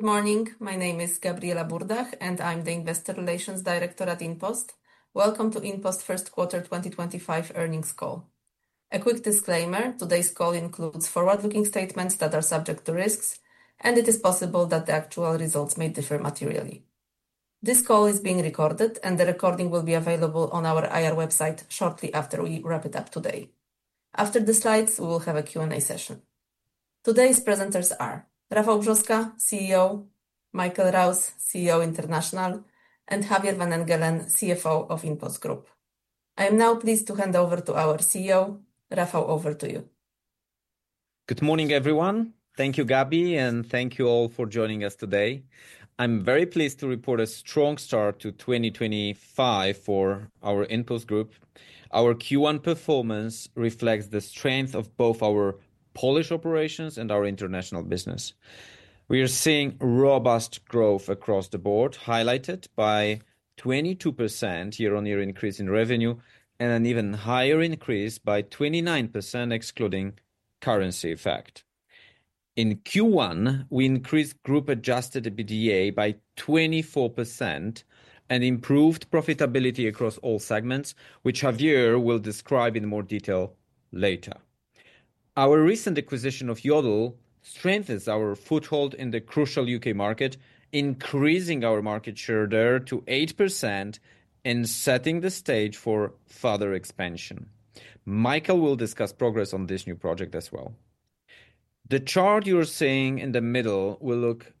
Good morning. My name is Gabriela Burdach, and I'm the Investor Relations Director at InPost. Welcome to InPost First Quarter 2025 earnings call. A quick disclaimer: today's call includes forward-looking statements that are subject to risks, and it is possible that the actual results may differ materially. This call is being recorded, and the recording will be available on our IR website shortly after we wrap it up today. After the slides, we will have a Q&A session. Today's presenters are Rafał Brzoska, CEO; Michael Rouse, CEO International; and Javier van Engelen, CFO of InPost Group. I am now pleased to hand over to our CEO, Rafał, over to you. Good morning, everyone. Thank you, Gabi, and thank you all for joining us today. I'm very pleased to report a strong start to 2025 for our InPost Group. Our Q1 performance reflects the strength of both our Polish operations and our International business. We are seeing robust growth across the board, highlighted by a 22% year-on-year increase in revenue and an even higher increase by 29%, excluding currency effect. In Q1, we increased Group-adjusted EBITDA by 24% and improved profitability across all segments, which Javier will describe in more detail later. Our recent acquisition of Yodel strengthens our foothold in the crucial U.K. market, increasing our market share there to 8% and setting the stage for further expansion. Michael will discuss progress on this new project as well. The chart you're seeing in the middle will look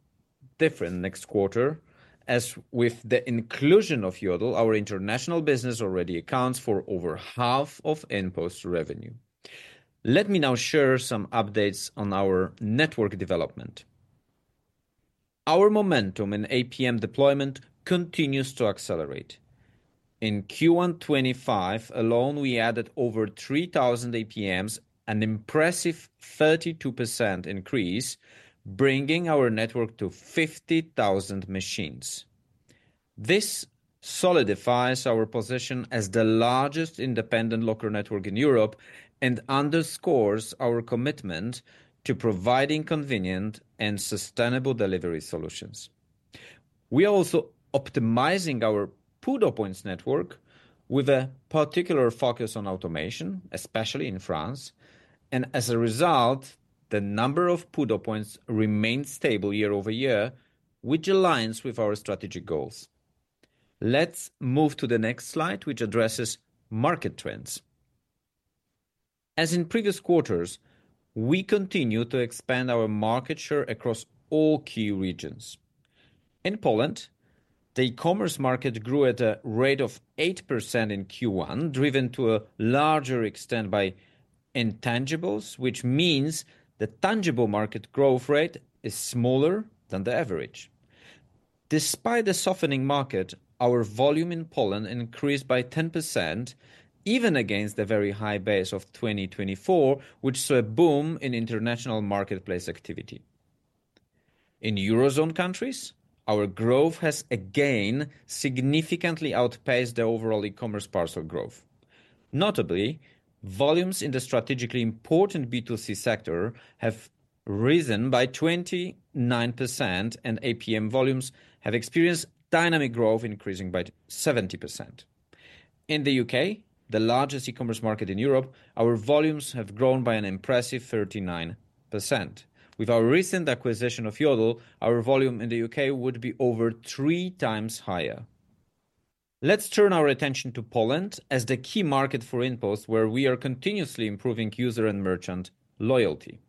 different next quarter, as with the inclusion of Yodel, our international business already accounts for over half of InPost's revenue. Let me now share some updates on our network development. Our momentum in APM deployment continues to accelerate. In Q1 2025 alone, we added over 3,000 APMs, an impressive 32% increase, bringing our network to 50,000 machines. This solidifies our position as the largest independent locker network in Europe and underscores our commitment to providing convenient and sustainable delivery solutions. We are also optimizing our PUDO points network with a particular focus on automation, especially in France, and as a result, the number of PUDO points remains stable yea- over-year, which aligns with our strategic goals. Let's move to the next slide, which addresses market trends. As in previous quarters, we continue to expand our market share across all key regions. In Poland, the e-commerce market grew at a rate of 8% in Q1, driven to a larger extent by intangibles, which means the tangible market growth rate is smaller than the average. Despite the softening market, our volume in Poland increased by 10%, even against the very high base of 2024, which saw a boom in international marketplace activity. In Eurozone countries, our growth has again significantly outpaced the overall e-commerce parcel growth. Notably, volumes in the strategically important B2C sector have risen by 29%, and APM volumes have experienced dynamic growth, increasing by 70%. In the U.K., the largest e-commerce market in Europe, our volumes have grown by an impressive 39%. With our recent acquisition of Yodel, our volume in the U.K. would be over three times higher. Let's turn our attention to Poland as the key market for InPost, where we are continuously improving user and merchant loyalty.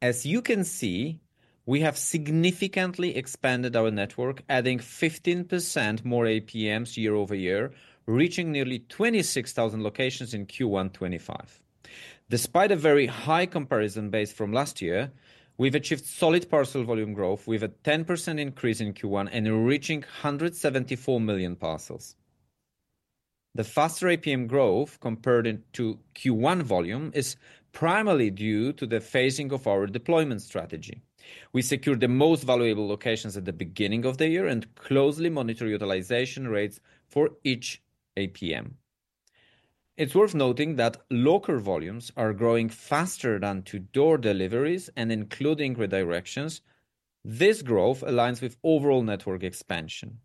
As you can see, we have significantly expanded our network, adding 15% more APMs year-over-year, reaching nearly 26,000 locations in Q1 2025. Despite a very high comparison base from last year, we've achieved solid parcel volume growth with a 10% increase in Q1 and reaching 174 million parcels. The faster APM growth compared to Q1 volume is primarily due to the phasing of our deployment strategy. We secured the most valuable locations at the beginning of the year and closely monitor utilization rates for each APM. It's worth noting that locker volumes are growing faster than to door deliveries and including redirections. This growth aligns with overall network expansion.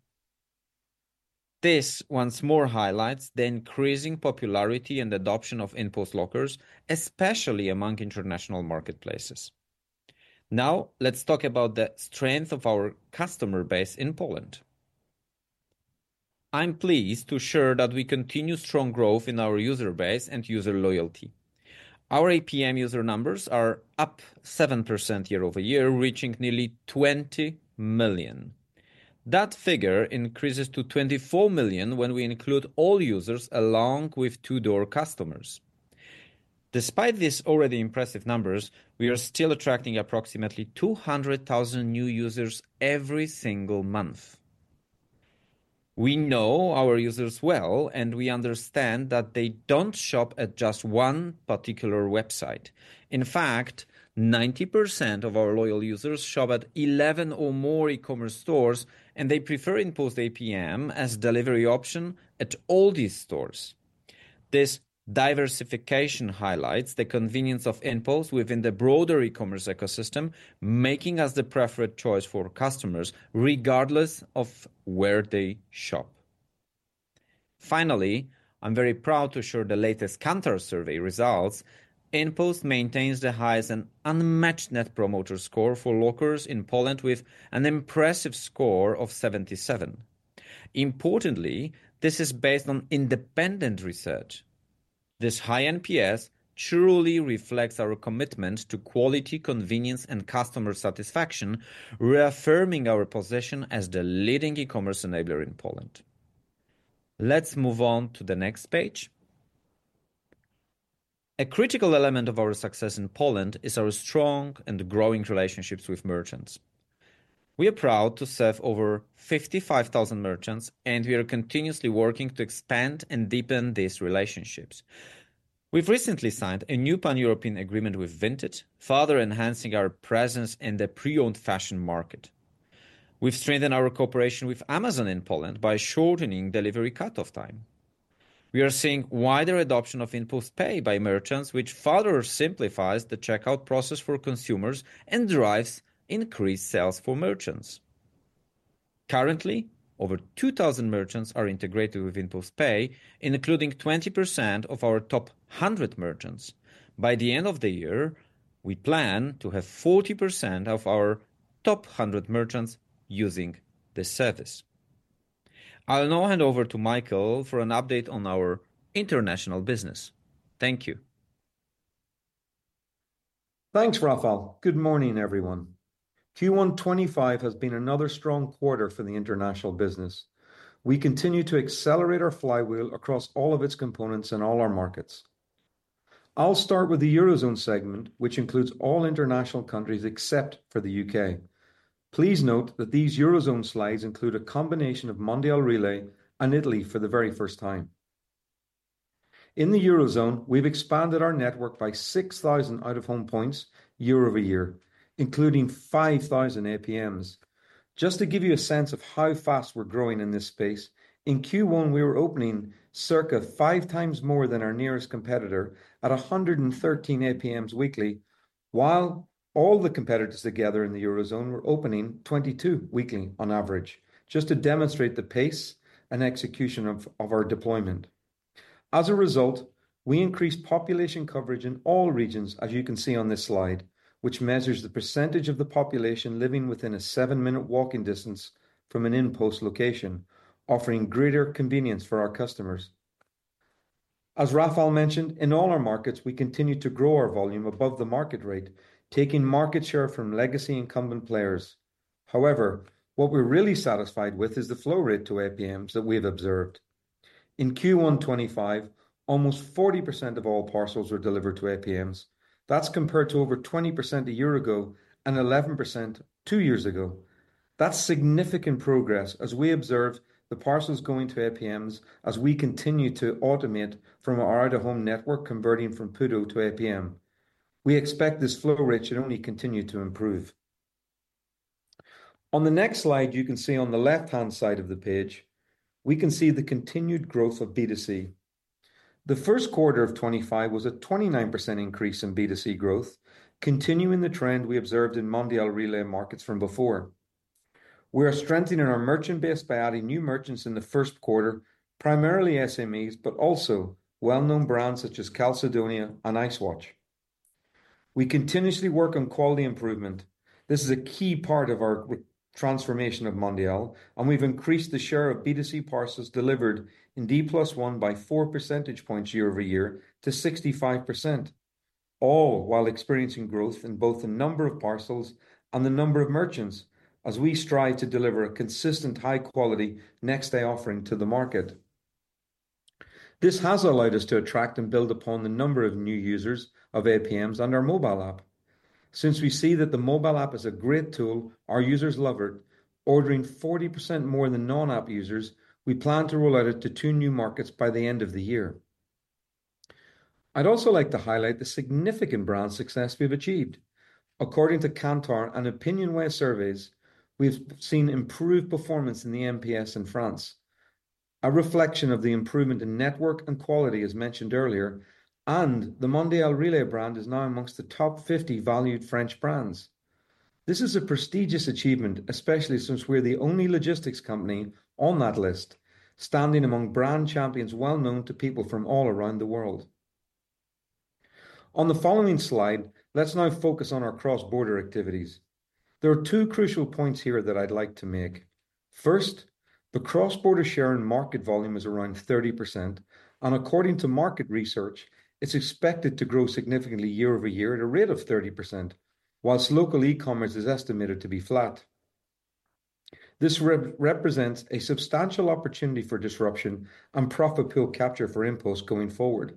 This once more highlights the increasing popularity and adoption of InPost lockers, especially among international marketplaces. Now, let's talk about the strength of our customer base in Poland. I'm pleased to share that we continue strong growth in our user base and user loyalty. Our APM user numbers are up 7% year-over-year, reaching nearly 20 million. That figure increases to 24 million when we include all users along with two-door customers. Despite these already impressive numbers, we are still attracting approximately 200,000 new users every single month. We know our users well, and we understand that they don't shop at just one particular website. In fact, 90% of our loyal users shop at 11 or more e-commerce stores, and they prefer InPost APM as a delivery option at all these stores. This diversification highlights the convenience of InPost within the broader e-commerce ecosystem, making us the preferred choice for customers regardless of where they shop. Finally, I'm very proud to share the latest Kantar survey results. InPost maintains the highest and unmatched Net Promoter Score for lockers in Poland with an impressive score of 77. Importantly, this is based on independent research. This high NPS truly reflects our commitment to quality, convenience, and customer satisfaction, reaffirming our position as the leading e-commerce enabler in Poland. Let's move on to the next page. A critical element of our success in Poland is our strong and growing relationships with merchants. We are proud to serve over 55,000 merchants, and we are continuously working to expand and deepen these relationships. We've recently signed a new pan-European agreement with Vinted, further enhancing our presence in the pre-owned fashion market. We've strengthened our cooperation with Amazon in Poland by shortening delivery cut-off time. We are seeing wider adoption of InPost Pay by merchants, which further simplifies the checkout process for consumers and drives increased sales for merchants. Currently, over 2,000 merchants are integrated with InPost Pay, including 20% of our top 100 merchants. By the end of the year, we plan to have 40% of our top 100 merchants using the service. I'll now hand over to Michael for an update on our international business. Thank you. Thanks, Rafał. Good morning, everyone. Q1 2025 has been another strong quarter for the international business. We continue to accelerate our flywheel across all of its components and all our markets. I'll start with the Eurozone segment, which includes all international countries except for the U.K. Please note that these Eurozone slides include a combination of Mondial Relay and Italy for the very first time. In the Eurozone, we've expanded our network by 6,000 out-of-home points year-over-year, including 5,000 APMs. Just to give you a sense of how fast we're growing in this space, in Q1, we were opening circa five times more than our nearest competitor at 113 APMs weekly, while all the competitors together in the Eurozone were opening 22 weekly on average, just to demonstrate the pace and execution of our deployment. As a result, we increased population coverage in all regions, as you can see on this slide, which measures the percentage of the population living within a seven-minute walking distance from an InPost location, offering greater convenience for our customers. As Rafał mentioned, in all our markets, we continue to grow our volume above the market rate, taking market share from legacy incumbent players. However, what we're really satisfied with is the flow rate to APMs that we've observed. In Q1 2025, almost 40% of all parcels were delivered to APMs. That's compared to over 20% a year ago and 11% two years ago. That's significant progress as we observe the parcels going to APMs as we continue to automate from our out-of-home network, converting from PUDO to APM. We expect this flow rate should only continue to improve. On the next slide, you can see on the left-hand side of the page, we can see the continued growth of B2C. The first quarter of 2025 was a 29% increase in B2C growth, continuing the trend we observed in Mondial Relay markets from before. We are strengthening our merchant base by adding new merchants in the first quarter, primarily SMEs, but also well-known brands such as Calzedonia and Ice-Watch. We continuously work on quality improvement. This is a key part of our transformation of Mondial, and we've increased the share of B2C parcels delivered in D+1 by 4% points year-over-year to 65%, all while experiencing growth in both the number of parcels and the number of merchants as we strive to deliver a consistent high-quality next-day offering to the market. This has allowed us to attract and build upon the number of new users of APMs and our mobile app. Since we see that the mobile app is a great tool, our users love it, ordering 40% more than non-app users, we plan to roll out it to two new markets by the end of the year. I'd also like to highlight the significant brand success we've achieved. According to Kantar and OpinionWay surveys, we've seen improved performance in the NPS in France, a reflection of the improvement in network and quality, as mentioned earlier, and the Mondial Relay brand is now amongst the top 50 valued French brands. This is a prestigious achievement, especially since we're the only logistics company on that list, standing among brand champions well-known to people from all around the world. On the following slide, let's now focus on our cross-border activities. There are two crucial points here that I'd like to make. First, the cross-border share in market volume is around 30%, and according to market research, it's expected to grow significantly year-over-year at a rate of 30%, whilst local e-commerce is estimated to be flat. This represents a substantial opportunity for disruption and profit pool capture for InPost going forward.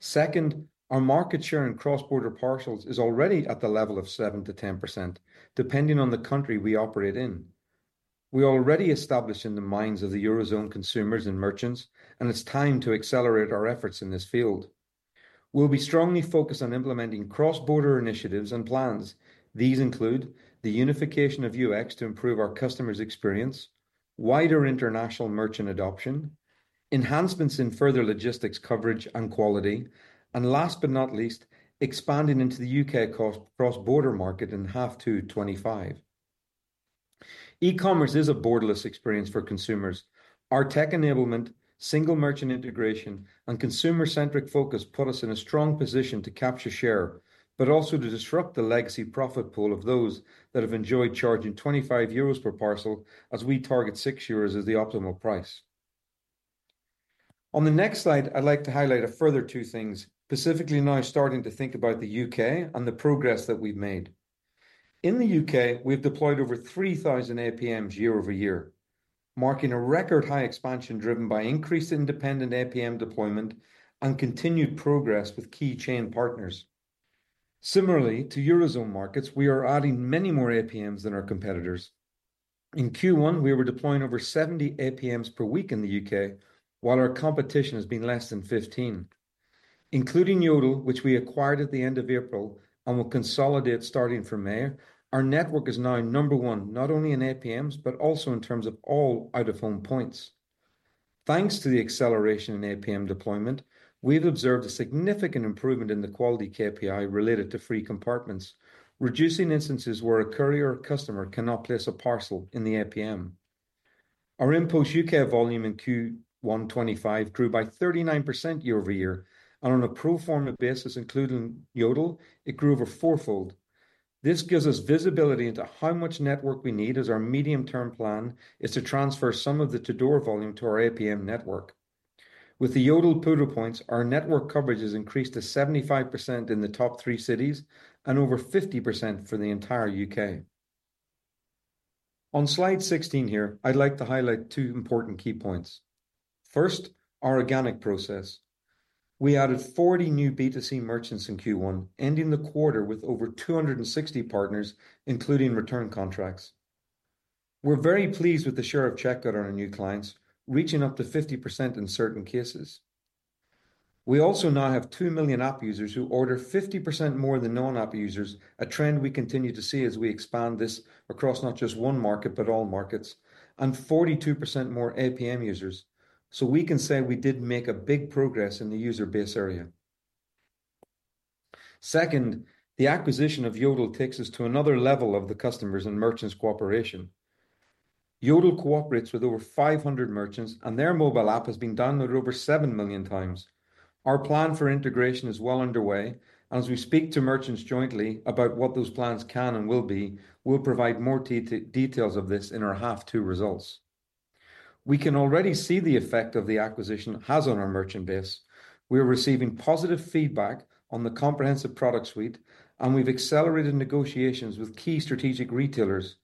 Second, our market share in cross-border parcels is already at the level of 7%-10%, depending on the country we operate in. We are already established in the minds of the Eurozone consumers and merchants, and it's time to accelerate our efforts in this field. We'll be strongly focused on implementing cross-border initiatives and plans. These include the unification of UX to improve our customers' experience, wider international merchant adoption, enhancements in further logistics coverage and quality, and last but not least, expanding into the U.K. cross-border market in half two 2025. E-commerce is a borderless experience for consumers. Our tech enablement, single merchant integration, and consumer-centric focus put us in a strong position to capture share, but also to disrupt the legacy profit pool of those that have enjoyed charging 25 euros per parcel as we target 6 euros as the optimal price. On the next slide, I'd like to highlight a further two things, specifically now starting to think about the U.K. and the progress that we've made. In the U.K., we've deployed over 3,000 APMs year-over-year, marking a record high expansion driven by increased independent APM deployment and continued progress with key chain partners. Similarly, to Eurozone markets, we are adding many more APMs than our competitors. In Q1, we were deploying over 70 APMs per week in the U.K., while our competition has been less than 15. Including Yodel, which we acquired at the end of April and will consolidate starting from May, our network is now number one not only in APMs, but also in terms of all out-of-home points. Thanks to the acceleration in APM deployment, we've observed a significant improvement in the quality KPI related to free compartments, reducing instances where a courier or customer cannot place a parcel in the APM. Our InPost U.K. volume in Q1 2025 grew by 39% year-over-year, and on a pro forma basis, including Yodel, it grew over fourfold. This gives us visibility into how much network we need as our medium-term plan is to transfer some of the to-door volume to our APM network. With the Yodel PUDO points, our network coverage has increased to 75% in the top three cities and over 50% for the entire U.K. On slide 16 here, I'd like to highlight two important key points. First, our organic process. We added 40 new B2C merchants in Q1, ending the quarter with over 260 partners, including return contracts. We're very pleased with the share of checkout on our new clients, reaching up to 50% in certain cases. We also now have 2 million app users who order 50% more than non-app users, a trend we continue to see as we expand this across not just one market, but all markets, and 42% more APM users. We can say we did make a big progress in the user base area. Second, the acquisition of Yodel takes us to another level of the customers and merchants cooperation. Yodel cooperates with over 500 merchants, and their mobile app has been downloaded over 7 millionx. Our plan for integration is well underway, and as we speak to merchants jointly about what those plans can and will be, we'll provide more details of this in our half two results. We can already see the effect the acquisition has on our merchant base. We are receiving positive feedback on the comprehensive product suite, and we've accelerated negotiations with key strategic retailers.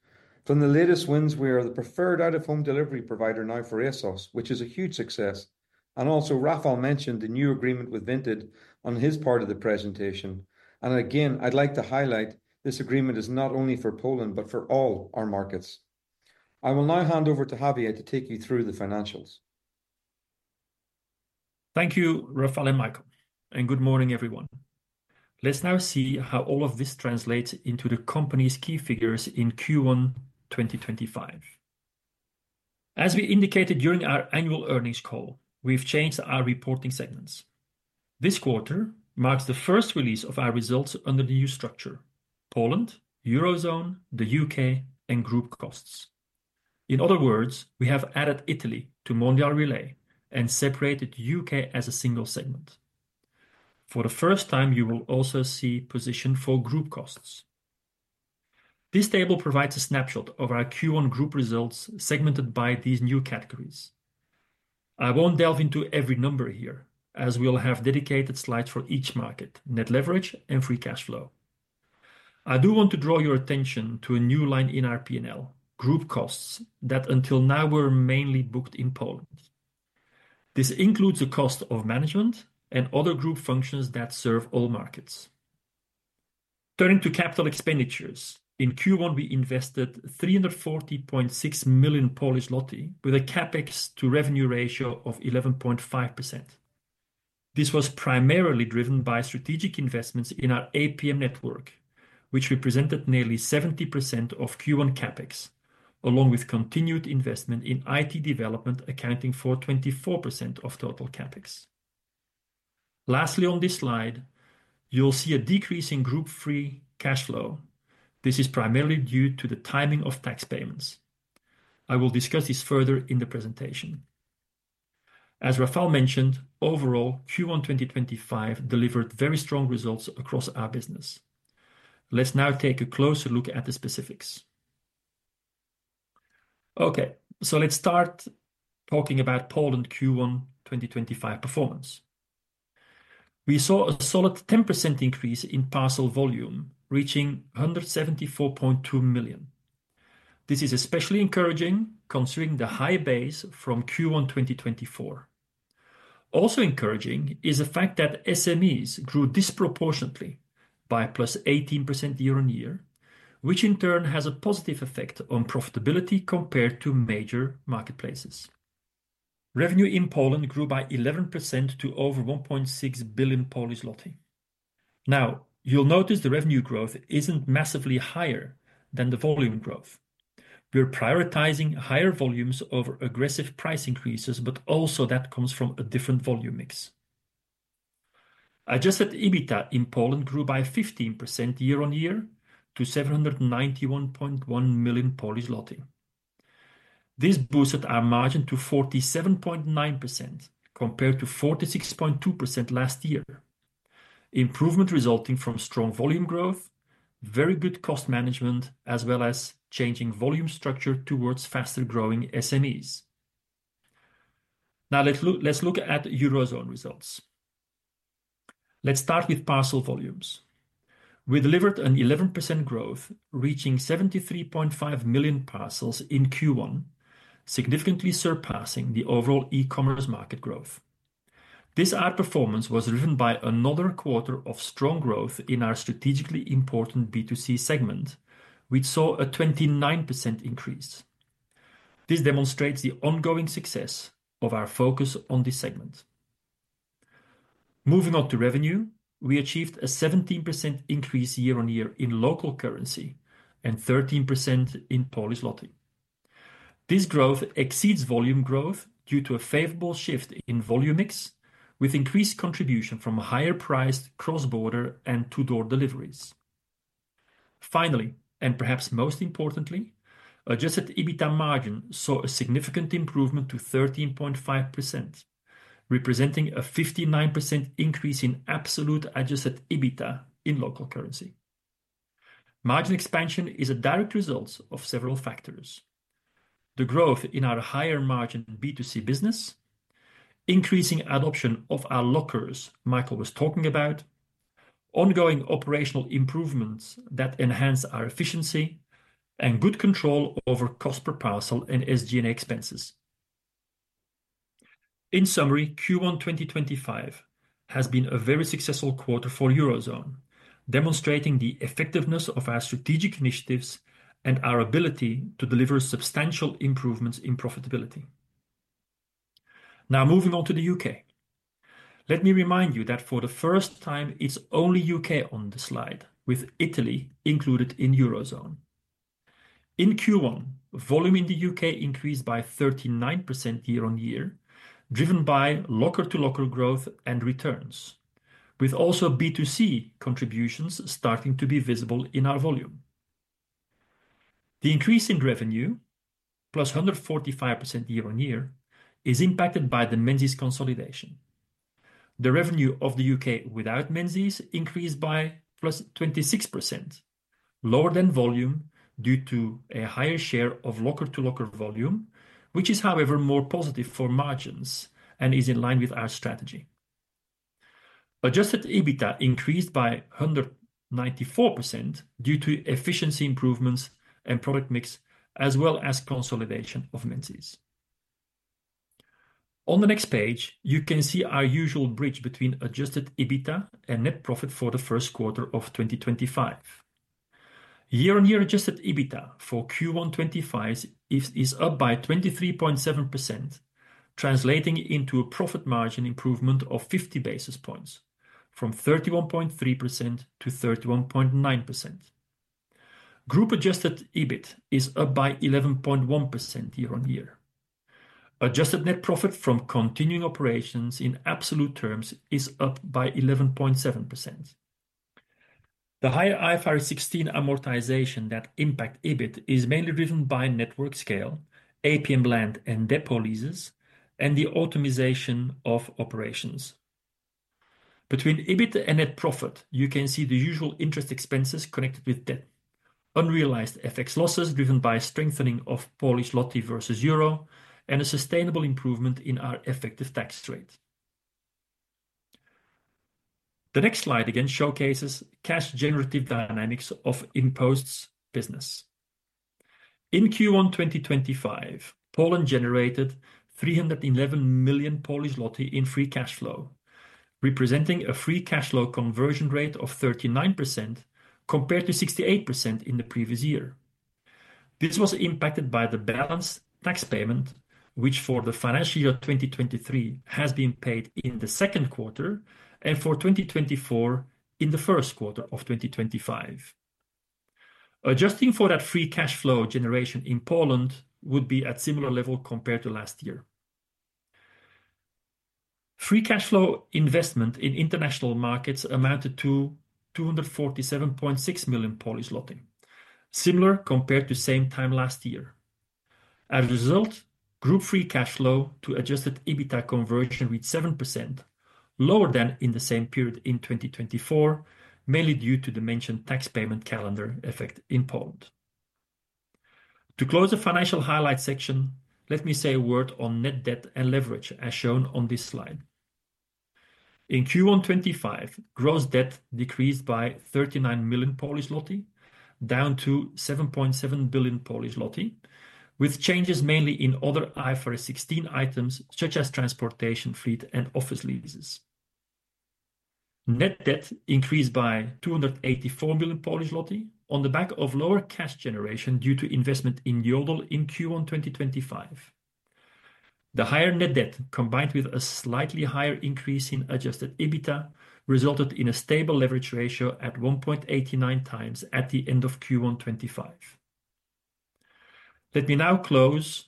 From the latest wins, we are the preferred out-of-home delivery provider now for ASOS, which is a huge success. Also, Rafał mentioned the new agreement with Vinted on his part of the presentation. Again, I'd like to highlight this agreement is not only for Poland, but for all our markets. I will now hand over to Javier to take you through the financials. Thank you, Rafał and Michael, and good morning, everyone. Let's now see how all of this translates into the company's key figures in Q1 2025. As we indicated during our annual earnings call, we've changed our reporting segments. This quarter marks the first release of our results under the new structure: Poland, Eurozone, the U.K., and Group costs. In other words, we have added Italy to Mondial Relay and separated the U.K. as a single segment. For the first time, you will also see position for Group costs. This table provides a snapshot of our Q1 group results segmented by these new categories. I won't delve into every number here, as we'll have dedicated slides for each market, net leverage, and free cash flow. I do want to draw your attention to a new line in our P&L, Group costs, that until now were mainly booked in Poland. This includes the cost of management and other group functions that serve all markets. Turning to capital expenditures, in Q1, we invested 340.6 million with a CapEx to revenue ratio of 11.5%. This was primarily driven by strategic investments in our APM network, which represented nearly 70% of Q1 CapEx, along with continued investment in IT development accounting for 24% of total CapEx. Lastly, on this slide, you'll see a decrease in group free cash flow. This is primarily due to the timing of tax payments. I will discuss this further in the presentation. As Rafał mentioned, overall, Q1 2025 delivered very strong results across our business. Let's now take a closer look at the specifics. Okay, so let's start talking about Poland Q1 2025 performance. We saw a solid 10% increase in parcel volume, reaching 174.2 million. This is especially encouraging considering the high base from Q1 2024. Also encouraging is the fact that SMEs grew disproportionately by +18% year-on-year, which in turn has a positive effect on profitability compared to major marketplaces. Revenue in Poland grew by 11% to over 1.6 billion. Now, you'll notice the revenue growth isn't massively higher than the volume growth. We're prioritizing higher volumes over aggressive price increases, but also that comes from a different volume mix. I just said EBITDA in Poland grew by 15% year-on-year to 791.1 million. This boosted our margin to 47.9% compared to 46.2% last year, improvement resulting from strong volume growth, very good cost management, as well as changing volume structure towards faster growing SMEs. Now, let's look at Eurozone results. Let's start with parcel volumes. We delivered an 11% growth, reaching 73.5 million parcels in Q1, significantly surpassing the overall e-commerce market growth. This outperformance was driven by another quarter of strong growth in our strategically important B2C segment, which saw a 29% increase. This demonstrates the ongoing success of our focus on this segment. Moving on to revenue, we achieved a 17% increase year-on-year in local currency and 13% in PLN. This growth exceeds volume growth due to a favorable shift in volume mix, with increased contribution from higher-priced cross-border and to-door deliveries. Finally, and perhaps most importantly, adjusted EBITDA margin saw a significant improvement to 13.5%, representing a 59% increase in absolute adjusted EBITDA in local currency. Margin expansion is a direct result of several factors: the growth in our higher margin B2C business, increasing adoption of our lockers Michael was talking about, ongoing operational improvements that enhance our efficiency, and good control over cost per parcel and SG&A expenses. In summary, Q1 2025 has been a very successful quarter for Eurozone, demonstrating the effectiveness of our strategic initiatives and our ability to deliver substantial improvements in profitability. Now, moving on to the U.K. Let me remind you that for the first time, it is only U.K. on the slide, with Italy included in Eurozone. In Q1, volume in the U.K. increased by 39% year-on-year, driven by locker-to-locker growth and returns, with also B2C contributions starting to be visible in our volume. The increase in revenue, +145% year-on-year, is impacted by the Menzies consolidation. The revenue of the U.K. without Menzies increased by +26%, lower than volume due to a higher share of locker-to-locker volume, which is, however, more positive for margins and is in line with our strategy. Adjusted EBITDA increased by 194% due to efficiency improvements and product mix, as well as consolidation of Menzies. On the next page, you can see our usual bridge between adjusted EBITDA and net profit for the first quarter of 2025. Year-on-year adjusted EBITDA for Q1 2025 is up by 23.7%, translating into a profit margin improvement of 50 basis points, from 31.3%-31.9%. Group adjusted EBIT is up by 11.1% year-on-year. Adjusted net profit from continuing operations in absolute terms is up by 11.7%. The higher IFRS 16 amortization that impact EBIT is mainly driven by network scale, APM land and depot leases, and the optimization of operations. Between EBIT and net profit, you can see the usual interest expenses connected with debt, unrealized FX losses driven by strengthening of Polish złoty versus euro, and a sustainable improvement in our effective tax rate. The next slide again showcases cash-generative dynamics of InPost's business. In Q1 2025, Poland generated 311 million in free cash flow, representing a free cash flow conversion rate of 39% compared to 68% in the previous year. This was impacted by the balance tax payment, which for the financial year 2023 has been paid in the second quarter and for 2024 in the first quarter of 2025. Adjusting for that, free cash flow generation in Poland would be at similar level compared to last year. Free cash flow investment in international markets amounted to 247.6 million, similar compared to same time last year. As a result, group free cash flow to adjusted EBITDA conversion reached 7%, lower than in the same period in 2024, mainly due to the mentioned tax payment calendar effect in Poland. To close the financial highlight section, let me say a word on net debt and leverage, as shown on this slide. In Q1 2025, gross debt decreased by 39 million, down to 7.7 billion, with changes mainly in other IFRS 16 items such as transportation fleet and office leases. Net debt increased by 284 million on the back of lower cash generation due to investment in Yodel in Q1 2025. The higher net debt, combined with a slightly higher increase in adjusted EBITDA, resulted in a stable leverage ratio at 1.89x at the end of Q1 2025. Let me now close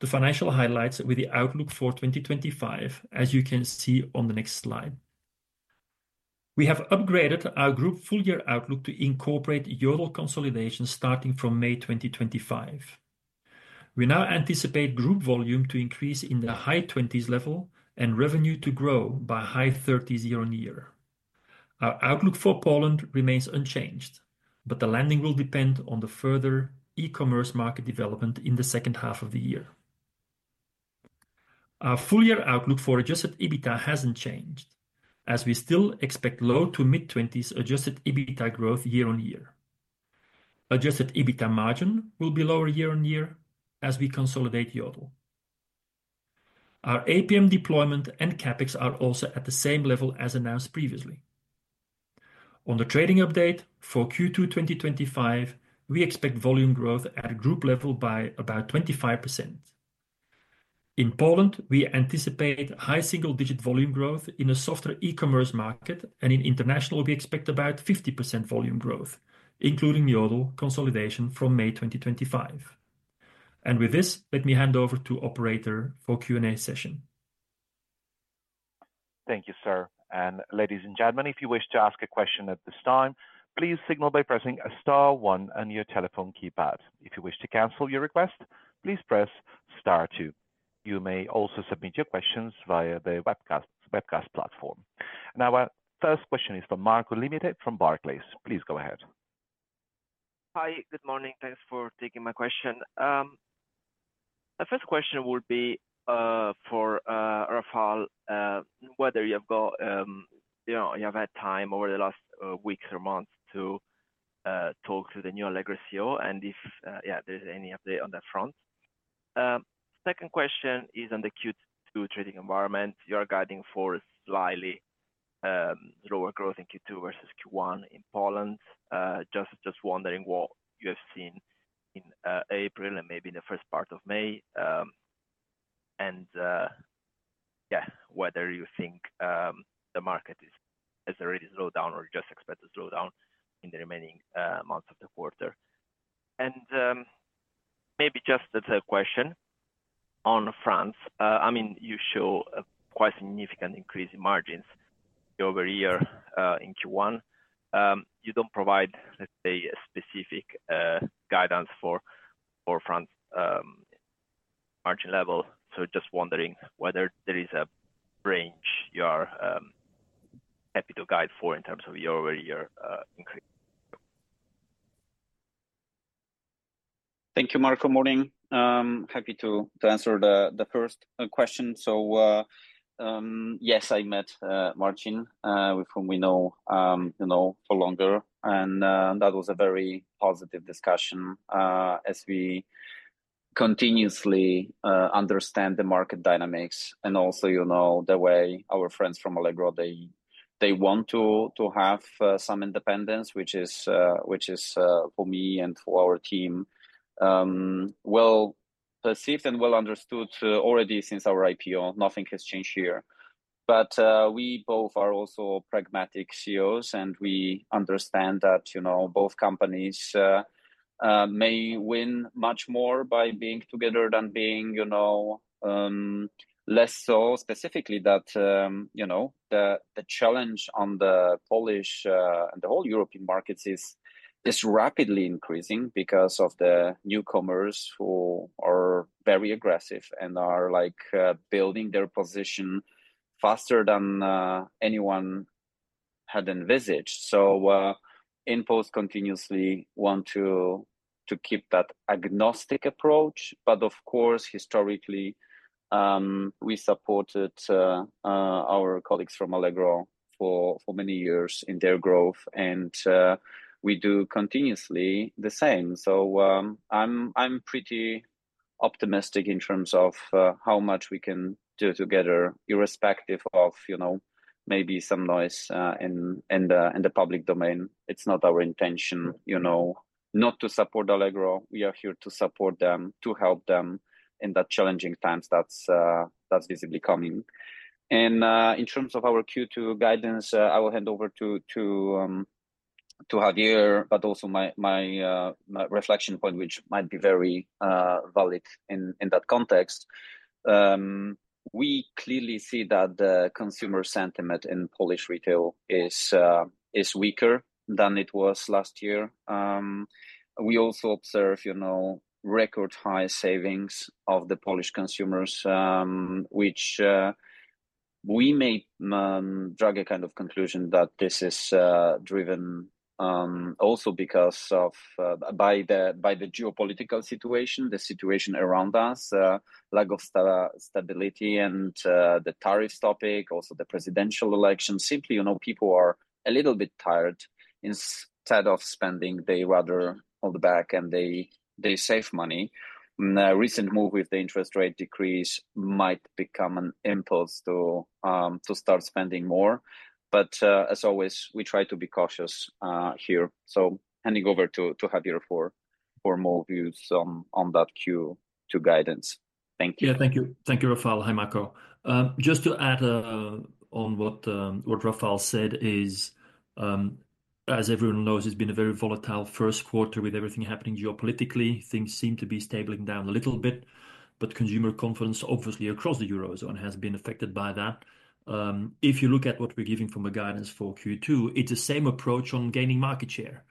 the financial highlights with the outlook for 2025, as you can see on the next slide. We have upgraded our group full year outlook to incorporate Yodel consolidation starting from May 2025. We now anticipate group volume to increase in the high 20s level and revenue to grow by high 30s year-on-year. Our outlook for Poland remains unchanged, but the landing will depend on the further e-commerce market development in the second half of the year. Our full year outlook for adjusted EBITDA has not changed, as we still expect low to mid 20s adjusted EBITDA growth year-on-year. Adjusted EBITDA margin will be lower year-on-year as we consolidate Yodel. Our APM deployment and CapEx are also at the same level as announced previously. On the trading update, for Q2 2025, we expect volume growth at group level by about 25%. In Poland, we anticipate high single-digit volume growth in a softer e-commerce market, and in international, we expect about 50% volume growth, including Yodel consolidation from May 2025. With this, let me hand over to operator for Q&A session. Thank you, sir. Ladies and gentlemen, if you wish to ask a question at this time, please signal by pressing star one on your telephone keypad. If you wish to cancel your request, please press star two. You may also submit your questions via the webcast platform. Our first question is for Marco Limite from Barclays. Please go ahead. Hi, good morning. Thanks for taking my question. The first question will be for Rafał, whether you have had time over the last weeks or months to talk to the new Allegro CEO and if there's any update on that front. Second question is on the Q2 trading environment. You're guiding for a slightly lower growth in Q2 versus Q1 in Poland. Just wondering what you have seen in April and maybe in the first part of May, and whether you think the market has already slowed down or just expect to slow down in the remaining months of the quarter. Maybe just a question on France. I mean, you show a quite significant increase in margins year-over-year in Q1. You don't provide, let's say, a specific guidance for France margin level. Just wondering whether there is a range you are happy to guide for in terms of year-over-year increase. Thank you, Marc. Good morning. Happy to answer the first question. Yes, I met Marcin, with whom we know for longer, and that was a very positive discussion as we continuously understand the market dynamics and also the way our friends from Allegro, they want to have some independence, which is for me and for our team well perceived and well understood already since our IPO. Nothing has changed here. We both are also pragmatic CEOs, and we understand that both companies may win much more by being together than being less so. Specifically, the challenge on the Polish and the whole European markets is rapidly increasing because of the newcomers who are very aggressive and are building their position faster than anyone had envisaged. InPost continuously wants to keep that agnostic approach. Of course, historically, we supported our colleagues from Allegro for many years in their growth, and we do continuously the same. I am pretty optimistic in terms of how much we can do together, irrespective of maybe some noise in the public domain. It is not our intention not to support Allegro. We are here to support them, to help them in the challenging times that are visibly coming. In terms of our Q2 guidance, I will hand over to Javier, but also my reflection point, which might be very valid in that context. We clearly see that the consumer sentiment in Polish retail is weaker than it was last year. We also observe record high savings of the Polish consumers, which we may draw a kind of conclusion that this is driven also by the geopolitical situation, the situation around us, lack of stability, and the tariffs topic, also the presidential election. Simply, people are a little bit tired. Instead of spending, they rather hold back and they save money. A recent move with the interest rate decrease might become an impulse to start spending more. As always, we try to be cautious here. Handing over to Javier for more views on that Q2 guidance. Thank you. Yeah, thank you. Thank you, Rafał. Hi, Marco. Just to add on what Rafał said is, as everyone knows, it's been a very volatile first quarter with everything happening geopolitically. Things seem to be stabling down a little bit, but consumer confidence, obviously across the Eurozone, has been affected by that. If you look at what we're giving from the guidance for Q2, it's the same approach on gaining market share.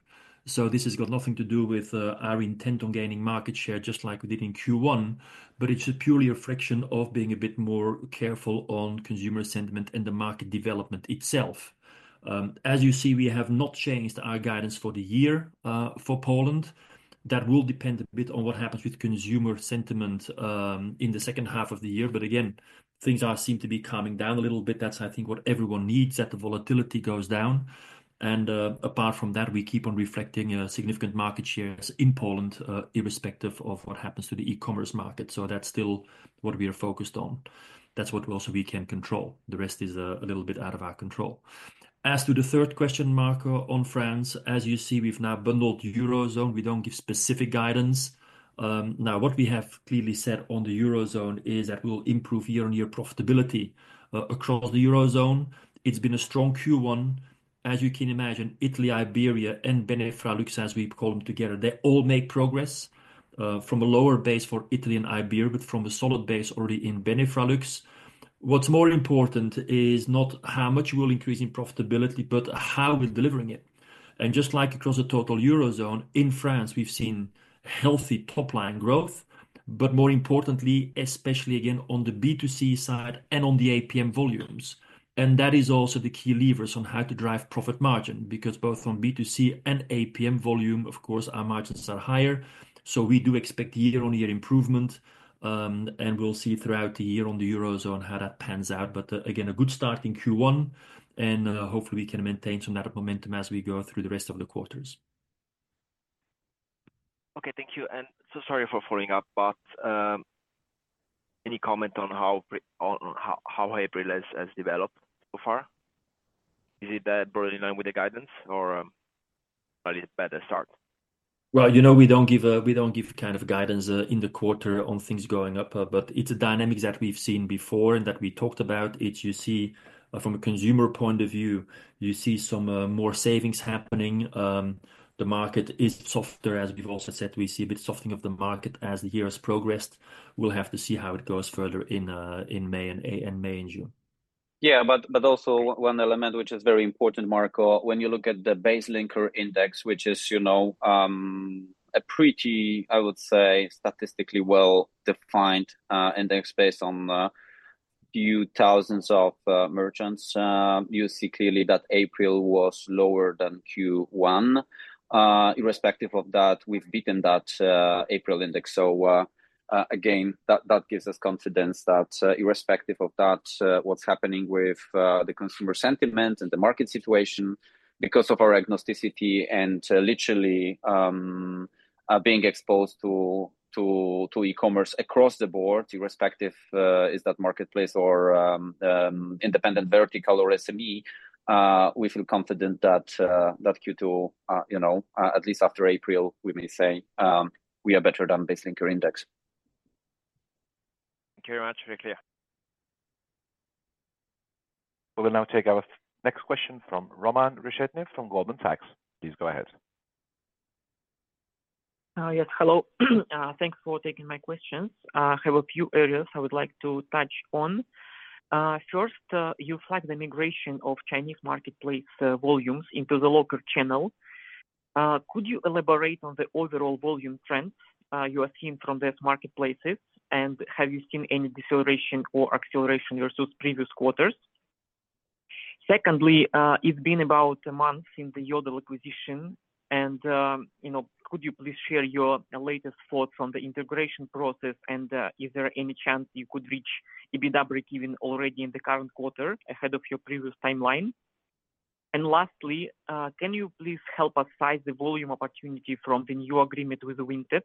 This has got nothing to do with our intent on gaining market share just like we did in Q1, but it's purely a friction of being a bit more careful on consumer sentiment and the market development itself. As you see, we have not changed our guidance for the year for Poland. That will depend a bit on what happens with consumer sentiment in the second half of the year. Again, things seem to be calming down a little bit. That's, I think, what everyone needs, that the volatility goes down. Apart from that, we keep on reflecting significant market shares in Poland, irrespective of what happens to the e-commerce market. That is still what we are focused on. That is what also we can control. The rest is a little bit out of our control. As to the third question, Marco, on France, as you see, we've now bundled Eurozone. We do not give specific guidance. What we have clearly said on the Eurozone is that we will improve year-on-year profitability across the Eurozone. It has been a strong Q1. As you can imagine, Italy, Iberia, and Benelux, as we call them together, they all make progress from a lower base for Italy and Iberia, but from a solid base already in Benelux. What's more important is not how much we'll increase in profitability, but how we're delivering it. Just like across the total Eurozone, in France, we've seen healthy top-line growth, but more importantly, especially again on the B2C side and on the APM volumes. That is also the key levers on how to drive profit margin, because both on B2C and APM volume, of course, our margins are higher. We do expect year-on-year improvement, and we'll see throughout the year on the Eurozone how that pans out. Again, a good start in Q1, and hopefully we can maintain some net momentum as we go through the rest of the quarters. Okay, thank you. Sorry for following up, but any comment on how Iberia has developed so far? Is it bordering on with the guidance or a better start? You know we do not give kind of guidance in the quarter on things going up, but it is a dynamic that we have seen before and that we talked about. You see, from a consumer point of view, you see some more savings happening. The market is softer, as we have also said. We see a bit of softening of the market as the year has progressed. We will have to see how it goes further in May and June. Yeah, but also one element which is very important, Marco, when you look at the BaseLinker index, which is a pretty, I would say, statistically well-defined index based on a few thousand merchants, you see clearly that April was lower than Q1. Irrespective of that, we've beaten that April index. Again, that gives us confidence that irrespective of that, what's happening with the consumer sentiment and the market situation, because of our agnosticity and literally being exposed to e-commerce across the board, irrespective of that marketplace or independent vertical or SME, we feel confident that Q2, at least after April, we may say we are better than BaseLinker index. Thank you very much, Rikia. We'll now take our next question from Roman Reshetnev from Goldman Sachs. Please go ahead. Yes, hello. Thanks for taking my questions. I have a few areas I would like to touch on. First, you flagged the migration of Chinese marketplace volumes into the local channel. Could you elaborate on the overall volume trends you are seeing from these marketplaces, and have you seen any deceleration or acceleration versus previous quarters? Secondly, it's been about a month since the Yodel acquisition, and could you please share your latest thoughts on the integration process, and is there any chance you could reach EBITDA recovery already in the current quarter ahead of your previous timeline? Lastly, can you please help us size the volume opportunity from the new agreement with Vinted?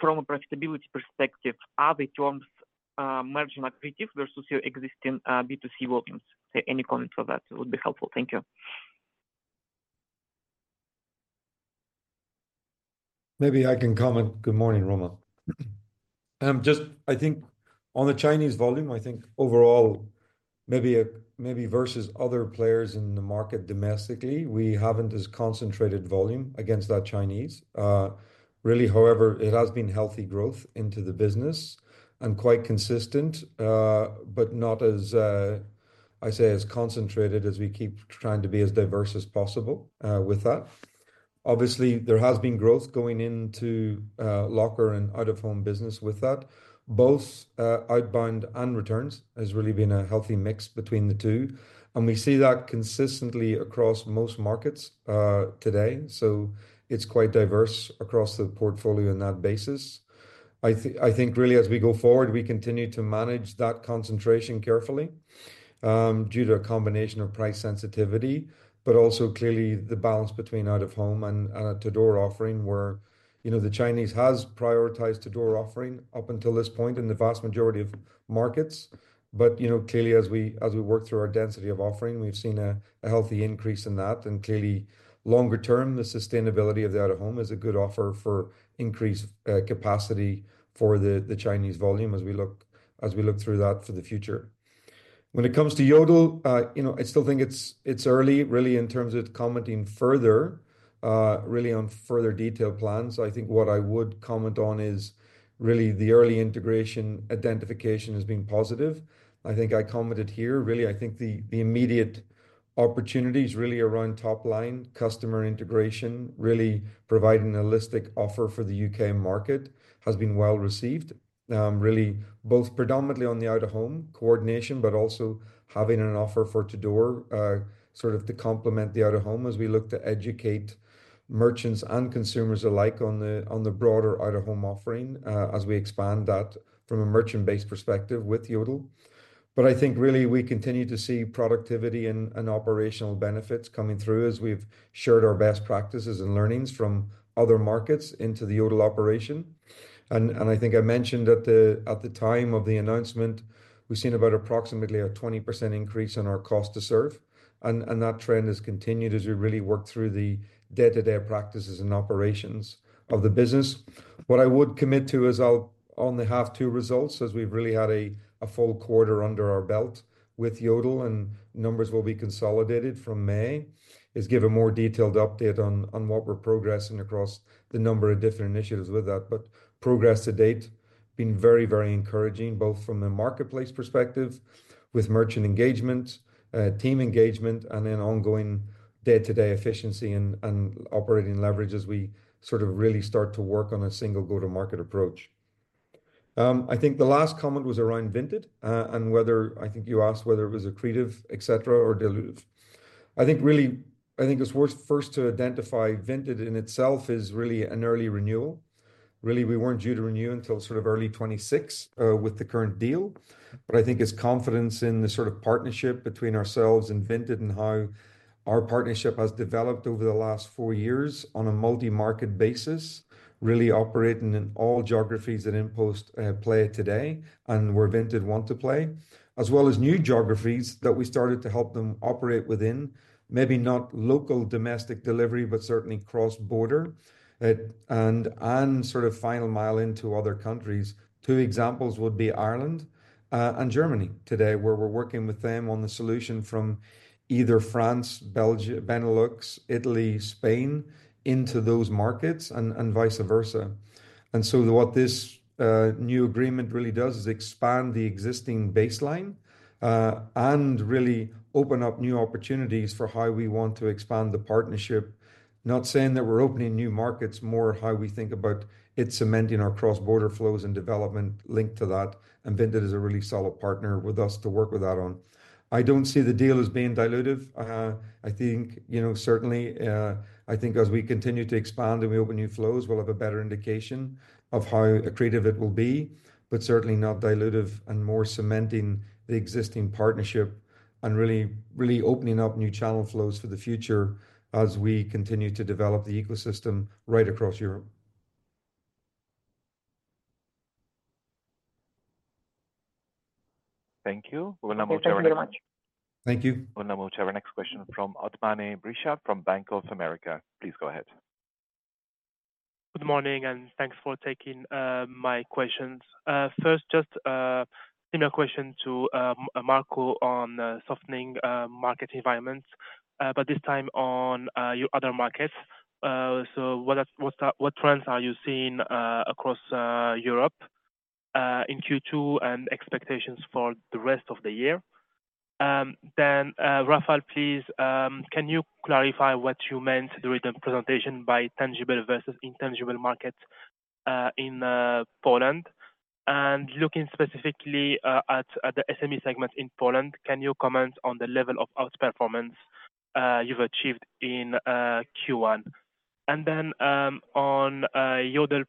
From a profitability perspective, are the terms more aggressive versus your existing B2C volumes? Any comments on that would be helpful. Thank you. Maybe I can comment. Good morning, Roman. I think on the Chinese volume, I think overall, maybe versus other players in the market domestically, we have not as concentrated volume against that Chinese. Really, however, it has been healthy growth into the business and quite consistent, but not as, I say, as concentrated as we keep trying to be as diverse as possible with that. Obviously, there has been growth going into locker and out-of-home business with that. Both outbound and returns has really been a healthy mix between the two. We see that consistently across most markets today. It is quite diverse across the portfolio in that basis. I think really, as we go forward, we continue to manage that concentration carefully due to a combination of price sensitivity, but also clearly the balance between out-of-home and a to-door offering where the Chinese has prioritized to-door offering up until this point in the vast majority of markets. Clearly, as we work through our density of offering, we've seen a healthy increase in that. Clearly, longer term, the sustainability of the out-of-home is a good offer for increased capacity for the Chinese volume as we look through that for the future. When it comes to Yodel, I still think it's early really in terms of commenting further, really on further detailed plans. I think what I would comment on is really the early integration identification has been positive. I think I commented here. Really, I think the immediate opportunities really around top-line customer integration, really providing a holistic offer for the U.K. market has been well received. Really, both predominantly on the out-of-home coordination, but also having an offer for to-door sort of to complement the out-of-home as we look to educate merchants and consumers alike on the broader out-of-home offering as we expand that from a merchant-based perspective with Yodel. I think really we continue to see productivity and operational benefits coming through as we've shared our best practices and learnings from other markets into the Yodel operation. I think I mentioned at the time of the announcement, we've seen about approximately a 20% increase in our cost to serve. That trend has continued as we really work through the day-to-day practices and operations of the business. What I would commit to is I'll only have two results as we've really had a full quarter under our belt with Yodel, and numbers will be consolidated from May. Is give a more detailed update on what we're progressing across the number of different initiatives with that. Progress to date been very, very encouraging both from a marketplace perspective with merchant engagement, team engagement, and then ongoing day-to-day efficiency and operating leverage as we sort of really start to work on a single go-to-market approach. I think the last comment was around Vinted and whether I think you asked whether it was accretive, etc., or dilutive. I think really, I think it's worth first to identify Vinted in itself is really an early renewal. Really, we weren't due to renew until sort of early 2026 with the current deal. I think it's confidence in the sort of partnership between ourselves and Vinted and how our partnership has developed over the last four years on a multi-market basis, really operating in all geographies that InPost play today and where Vinted want to play, as well as new geographies that we started to help them operate within, maybe not local domestic delivery, but certainly cross-border and sort of final mile into other countries. Two examples would be Ireland and Germany today where we're working with them on the solution from either France, Benelux, Italy, Spain into those markets and vice versa. What this new agreement really does is expand the existing baseline and really open up new opportunities for how we want to expand the partnership. Not saying that we're opening new markets, more how we think about it cementing our cross-border flows and development linked to that. Vinted is a really solid partner with us to work with that on. I do not see the deal as being dilutive. I think certainly, I think as we continue to expand and we open new flows, we will have a better indication of how accretive it will be, but certainly not dilutive and more cementing the existing partnership and really opening up new channel flows for the future as we continue to develop the ecosystem right across Europe. Thank you. Now we'll turn it over. Thank you. Thank you. Now we'll turn to our next question from Othmane Bricha from Bank of America. Please go ahead. Good morning and thanks for taking my questions. First, just a question to Marco on softening market environments, but this time on your other markets. What trends are you seeing across Europe in Q2 and expectations for the rest of the year? Rafał, please can you clarify what you meant during the presentation by tangible versus intangible markets in Poland? Looking specifically at the SME segment in Poland, can you comment on the level of outperformance you've achieved in Q1? On Yodel,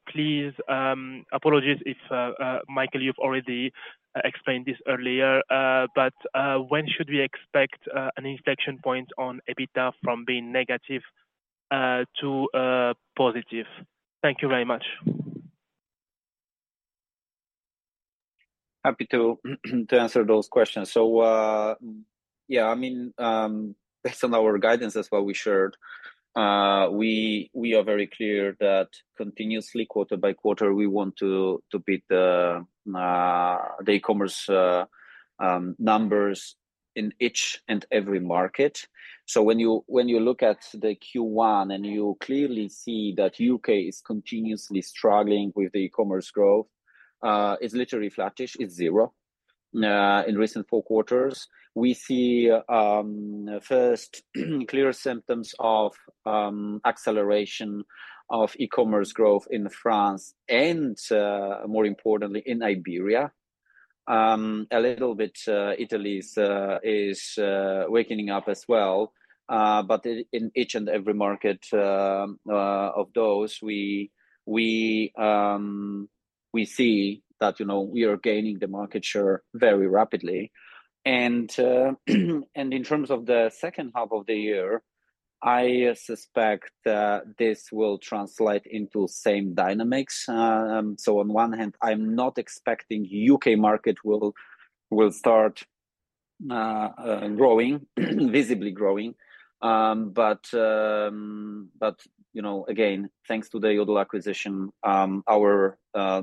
apologies if Michael, you've already explained this earlier, but when should we expect an inflection point on EBITDA from being negative to positive? Thank you very much. Happy to answer those questions. Yeah, I mean, based on our guidance as well we shared, we are very clear that continuously quarter-by-quarter, we want to beat the e-commerce numbers in each and every market. When you look at the Q1 and you clearly see that U.K. is continuously struggling with the e-commerce growth, it is literally flattish, it is zero in recent four quarters. We see first clear symptoms of acceleration of e-commerce growth in France and more importantly in Iberia. A little bit Italy is waking up as well, but in each and every market of those, we see that we are gaining the market share very rapidly. In terms of the second half of the year, I suspect this will translate into same dynamics. On one hand, I am not expecting U.K. market will start growing, visibly growing. Again, thanks to the Yodel acquisition, our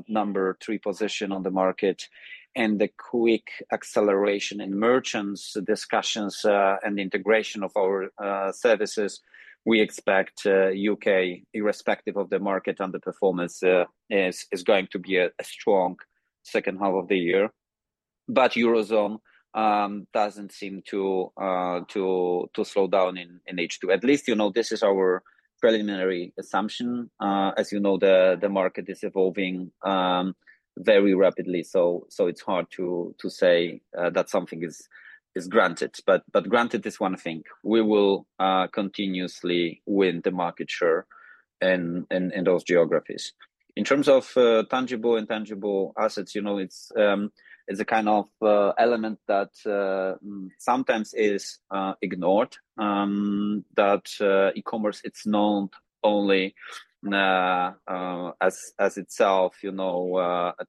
number three position on the market and the quick acceleration in merchants discussions and integration of our services, we expect U.K. irrespective of the market underperformance is going to be a strong second half of the year. Eurozone does not seem to slow down in H2. At least this is our preliminary assumption. As you know, the market is evolving very rapidly. It is hard to say that something is granted. Granted is one thing. We will continuously win the market share in those geographies. In terms of tangible and intangible assets, it is a kind of element that sometimes is ignored that e-commerce, it is known only as itself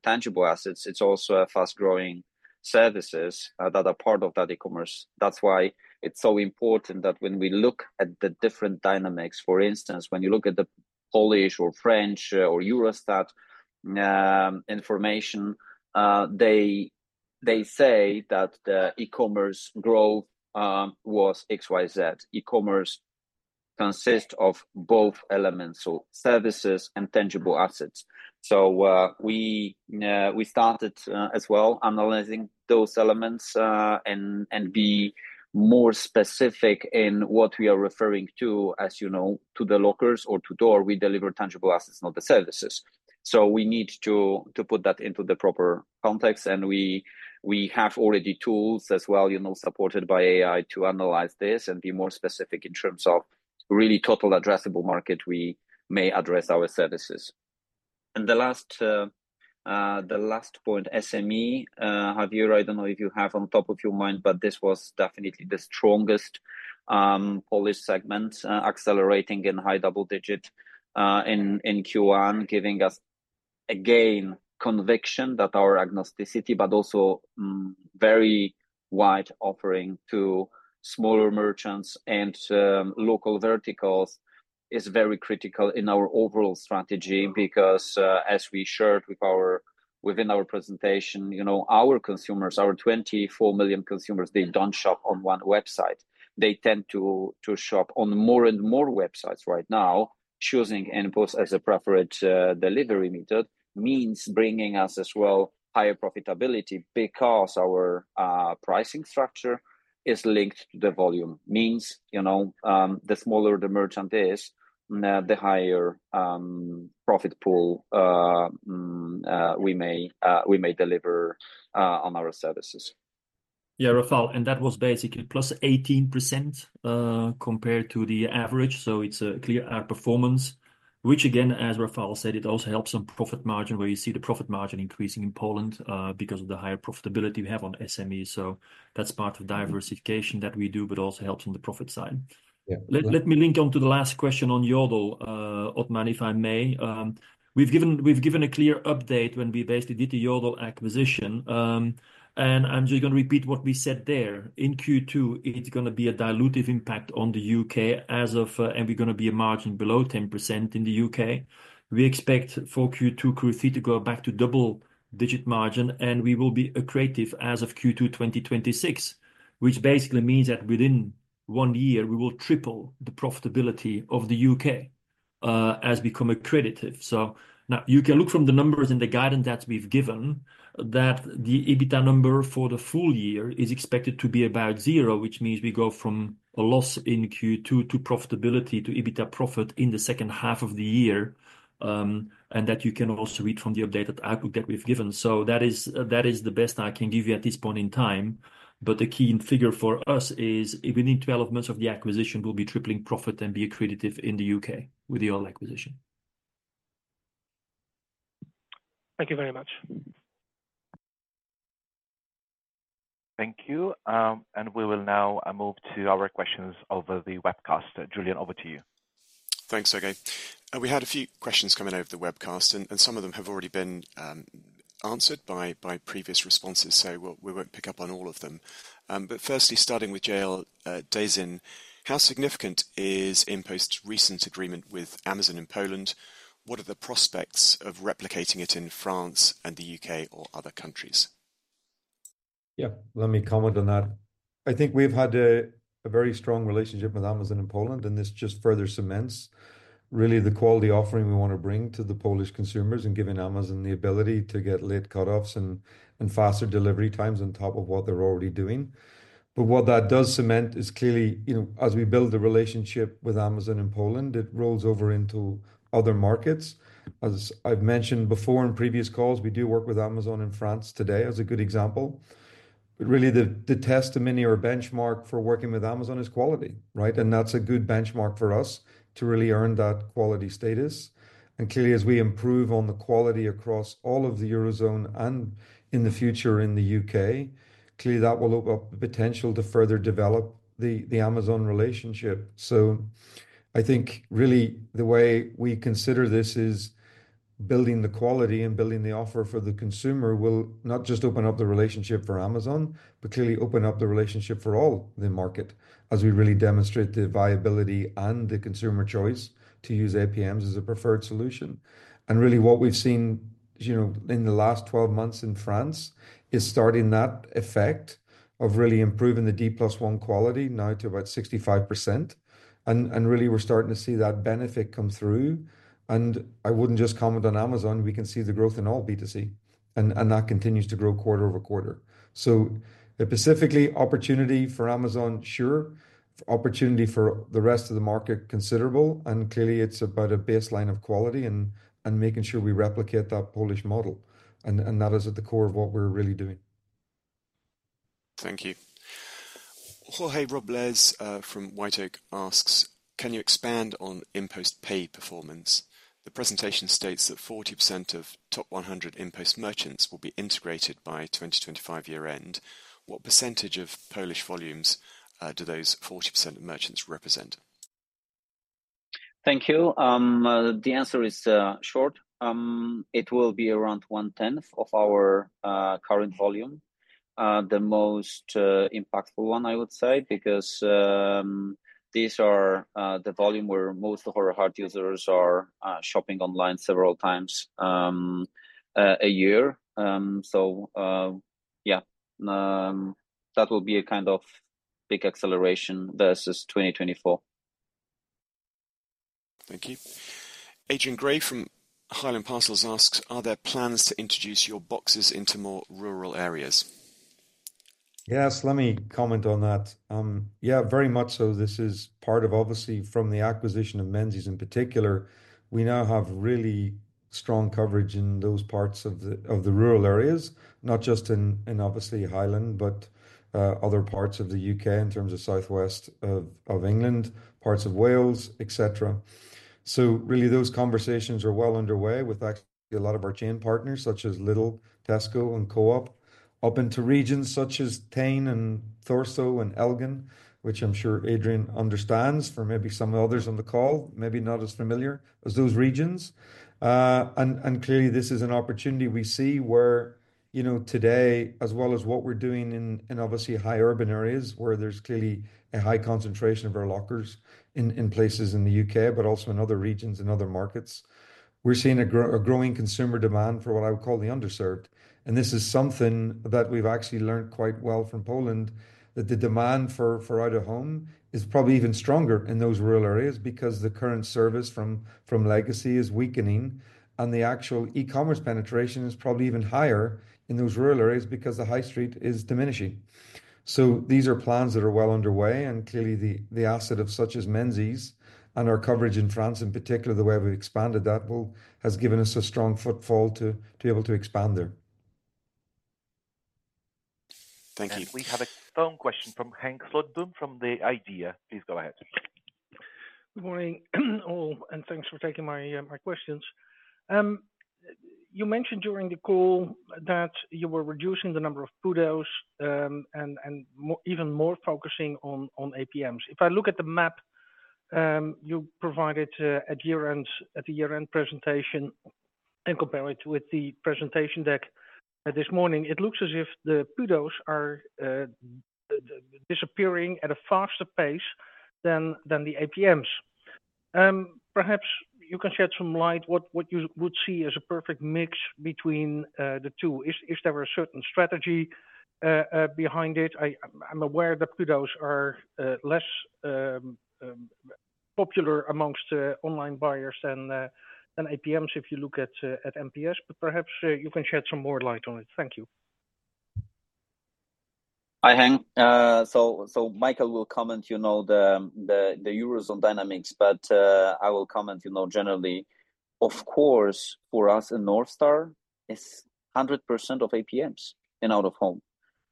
tangible assets. It is also fast-growing services that are part of that e-commerce. That's why it's so important that when we look at the different dynamics, for instance, when you look at the Polish or French or Eurostat information, they say that the e-commerce growth was XYZ. E-commerce consists of both elements, so services and tangible assets. We started as well analyzing those elements and be more specific in what we are referring to as to the lockers or to-door, we deliver tangible assets, not the services. We need to put that into the proper context. We have already tools as well supported by AI to analyze this and be more specific in terms of really total addressable market we may address our services. The last point, SME, Javier, I do not know if you have on top of your mind, but this was definitely the strongest Polish segment accelerating in high double digit in Q1, giving us again conviction that our agnosticity, but also very wide offering to smaller merchants and local verticals, is very critical in our overall strategy because as we shared within our presentation, our consumers, our 24 million consumers, they do not shop on one website. They tend to shop on more and more websites right now, choosing InPost as a preferred delivery method means bringing us as well higher profitability because our pricing structure is linked to the volume, means the smaller the merchant is, the higher profit pool we may deliver on our services. Yeah, Rafał, and that was basically +18% compared to the average. It is a clear outperformance, which again, as Rafał said, it also helps on profit margin where you see the profit margin increasing in Poland because of the higher profitability we have on SME. That is part of diversification that we do, but also helps on the profit side. Let me link on to the last question on Yodel, Othmane, if I may. We have given a clear update when we basically did the Yodel acquisition. I am just going to repeat what we said there. In Q2, it is going to be a dilutive impact on the U.K. as of, and we are going to be a margin below 10% in the U.K. We expect for Q2, Q3 to go back to double-digit margin, and we will be accretive as of Q2 2026, which basically means that within one year, we will triple the profitability of the U.K. as become accretive. Now you can look from the numbers and the guidance that we've given that the EBITDA number for the full year is expected to be about zero, which means we go from a loss in Q2 to profitability to EBITDA profit in the second half of the year. You can also read that from the updated outlook that we've given. That is the best I can give you at this point in time. The key figure for us is within 12 months of the acquisition, we'll be tripling profit and be accretive in the U.K. with the Yodel acquisition. Thank you very much. Thank you. We will now move to our questions over the webcast. Julian, over to you. Thanks, Sergei. We had a few questions coming over the webcast, and some of them have already been answered by previous responses, so we will not pick up on all of them. Firstly, starting with JL Daisin, how significant is InPost's recent agreement with Amazon in Poland? What are the prospects of replicating it in France and the U.K. or other countries? Yeah, let me comment on that. I think we've had a very strong relationship with Amazon in Poland, and this just further cements really the quality offering we want to bring to the Polish consumers and giving Amazon the ability to get late cutoffs and faster delivery times on top of what they're already doing. What that does cement is clearly as we build the relationship with Amazon in Poland, it rolls over into other markets. As I've mentioned before in previous calls, we do work with Amazon in France today as a good example. Really, the testimony or benchmark for working with Amazon is quality, right? That's a good benchmark for us to really earn that quality status. Clearly, as we improve on the quality across all of the Eurozone and in the future in the U.K., that will open up the potential to further develop the Amazon relationship. I think really the way we consider this is building the quality and building the offer for the consumer will not just open up the relationship for Amazon, but clearly open up the relationship for all the market as we really demonstrate the viability and the consumer choice to use APMs as a preferred solution. What we've seen in the last 12 months in France is starting that effect of really improving the D+1 quality now to about 65%. We're starting to see that benefit come through. I would not just comment on Amazon, we can see the growth in all B2C, and that continues to grow quarter-over-quarter. Specifically, opportunity for Amazon, sure, opportunity for the rest of the market considerable, and clearly it's about a baseline of quality and making sure we replicate that Polish model. That is at the core of what we're really doing. Thank you. Jorge Robles from White Oak asks, can you expand on InPost Pay performance? The presentation states that 40% of top 100 InPost merchants will be integrated by 2025 year-end. What percentage of Polish volumes do those 40% of merchants represent? Thank you. The answer is short. It will be around one-tenth of our current volume. The most impactful one, I would say, because these are the volume where most of our hard users are shopping online several times a year. Yeah, that will be a kind of big acceleration versus 2024. Thank you. Adrian Gray from Highland Parcels asks, are there plans to introduce your boxes into more rural areas? Yes, let me comment on that. Yeah, very much so. This is part of obviously from the acquisition of Menzies in particular, we now have really strong coverage in those parts of the rural areas, not just in obviously Highland, but other parts of the U.K. in terms of southwest of England, parts of Wales, etc. Really, those conversations are well underway with actually a lot of our chain partners such as Lidl, Tesco, and Co-op up into regions such as Tain and Thurso and Elgin, which I am sure Adrian understands. For maybe some others on the call, maybe not as familiar as those regions. Clearly this is an opportunity we see where today, as well as what we're doing in obviously high urban areas where there's clearly a high concentration of our lockers in places in the U.K., but also in other regions and other markets, we're seeing a growing consumer demand for what I would call the underserved. This is something that we've actually learned quite well from Poland, that the demand for out-of-home is probably even stronger in those rural areas because the current service from Legacy is weakening and the actual e-commerce penetration is probably even higher in those rural areas because the high street is diminishing. These are plans that are well underway and clearly the asset of such as Menzies and our coverage in France in particular, the way we've expanded that has given us a strong footfall to be able to expand there. Thank you. We have a phone question from Henk Slotboom from the IDEA!. Please go ahead. Good morning all, and thanks for taking my questions. You mentioned during the call that you were reducing the number of PUDO points and even more focusing on APMs. If I look at the map you provided at the year-end presentation and compare it with the presentation deck this morning, it looks as if the PUDO points are disappearing at a faster pace than the APMs. Perhaps you can shed some light on what you would see as a perfect mix between the two. Is there a certain strategy behind it? I'm aware that PUDO points are less popular amongst online buyers than APMs if you look at NPS, but perhaps you can shed some more light on it. Thank you. Hi, Henk. Michael will comment on the Eurozone dynamics, but I will comment generally. Of course, for us in Northstar, it is 100% of APMs in out-of-home.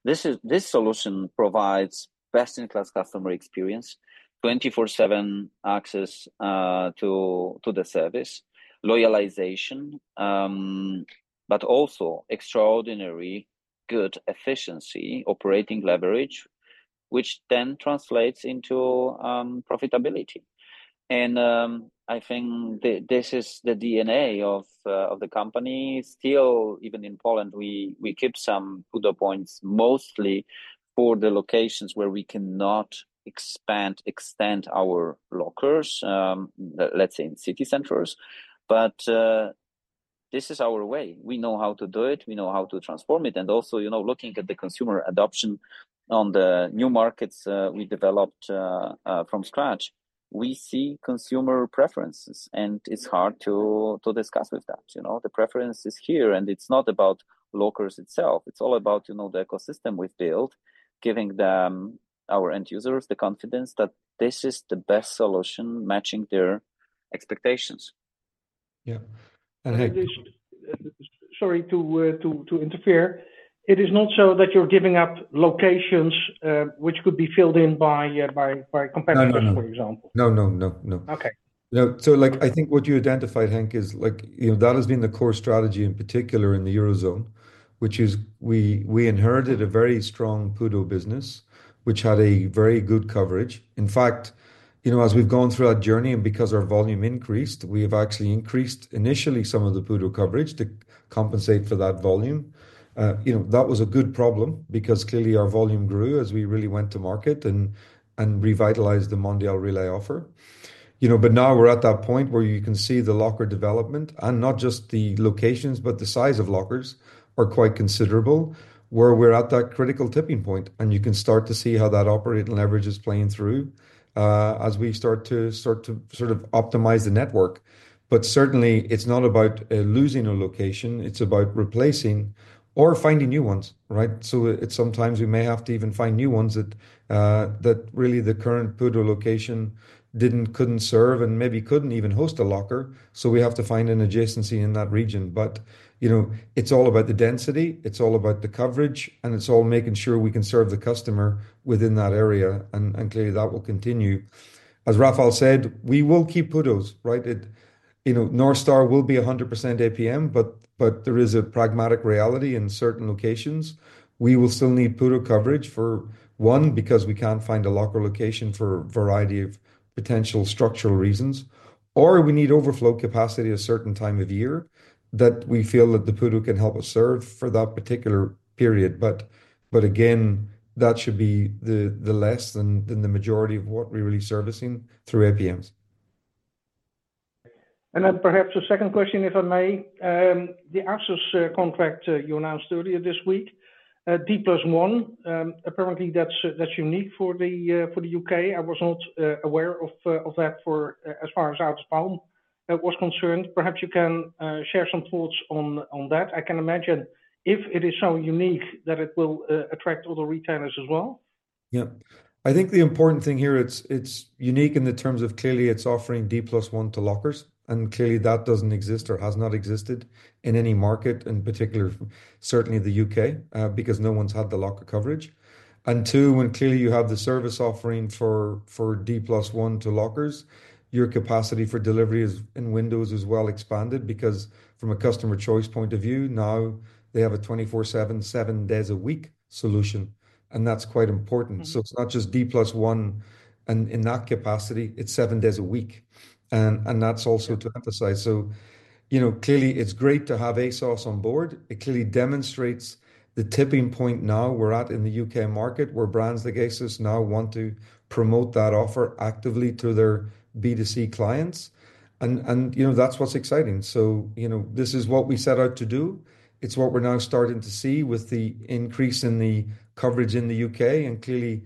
This solution provides best-in-class customer experience, 24/7 access to the service, loyalization, but also extraordinary good efficiency, operating leverage, which then translates into profitability. I think this is the DNA of the company. Still, even in Poland, we keep some PUDO points mostly for the locations where we cannot extend our lockers, let's say in city centers. This is our way. We know how to do it. We know how to transform it. Also, looking at the consumer adoption on the new markets we developed from scratch, we see consumer preferences, and it is hard to discuss with that. The preference is here, and it is not about lockers itself. It's all about the ecosystem we've built, giving our end users the confidence that this is the best solution matching their expectations. Yeah. Henk. Sorry to interfere. It is not so that you're giving up locations which could be filled in by competitors, for example. No, no, no. I think what you identified, Henk, is that has been the core strategy in particular in the Eurozone, which is we inherited a very strong PUDO business, which had a very good coverage. In fact, as we have gone through our journey and because our volume increased, we have actually increased initially some of the PUDO coverage to compensate for that volume. That was a good problem because clearly our volume grew as we really went to market and revitalized the Mondial Relay offer. Now we are at that point where you can see the locker development, and not just the locations, but the size of lockers are quite considerable where we are at that critical tipping point. You can start to see how that operating leverage is playing through as we start to sort of optimize the network. Certainly, it is not about losing a location. It is about replacing or finding new ones, right? Sometimes we may have to even find new ones that really the current PUDO location could not serve and maybe could not even host a locker. We have to find an adjacency in that region. It is all about the density. It is all about the coverage, and it is all making sure we can serve the customer within that area. Clearly, that will continue. As Rafał said, we will keep PUDOs, right? Northstar will be 100% APM, but there is a pragmatic reality in certain locations. We will still need PUDO coverage for one because we cannot find a locker location for a variety of potential structural reasons, or we need overflow capacity at a certain time of year that we feel that the PUDO can help us serve for that particular period. That should be less than the majority of what we're really servicing through APMs. Perhaps a second question, if I may. The ASOS contract you announced earlier this week, D+1, apparently that's unique for the U.K. I was not aware of that as far as out-of-home was concerned. Perhaps you can share some thoughts on that. I can imagine if it is so unique that it will attract other retailers as well. Yeah. I think the important thing here, it's unique in the terms of clearly it's offering D+1 to lockers, and clearly that does not exist or has not existed in any market, in particular, certainly the U.K., because no one's had the locker coverage. Two, when clearly you have the service offering for D+1 to lockers, your capacity for delivery is in windows as well expanded because from a customer choice point of view, now they have a 24/7, seven days a week solution, and that's quite important. It is not just D+1 in that capacity, it is seven days a week. That is also to emphasize. Clearly it is great to have ASOS on board. It clearly demonstrates the tipping point now we are at in the U.K. market where brands like ASOS now want to promote that offer actively to their B2C clients. That is what's exciting. This is what we set out to do. It's what we're now starting to see with the increase in the coverage in the U.K., and clearly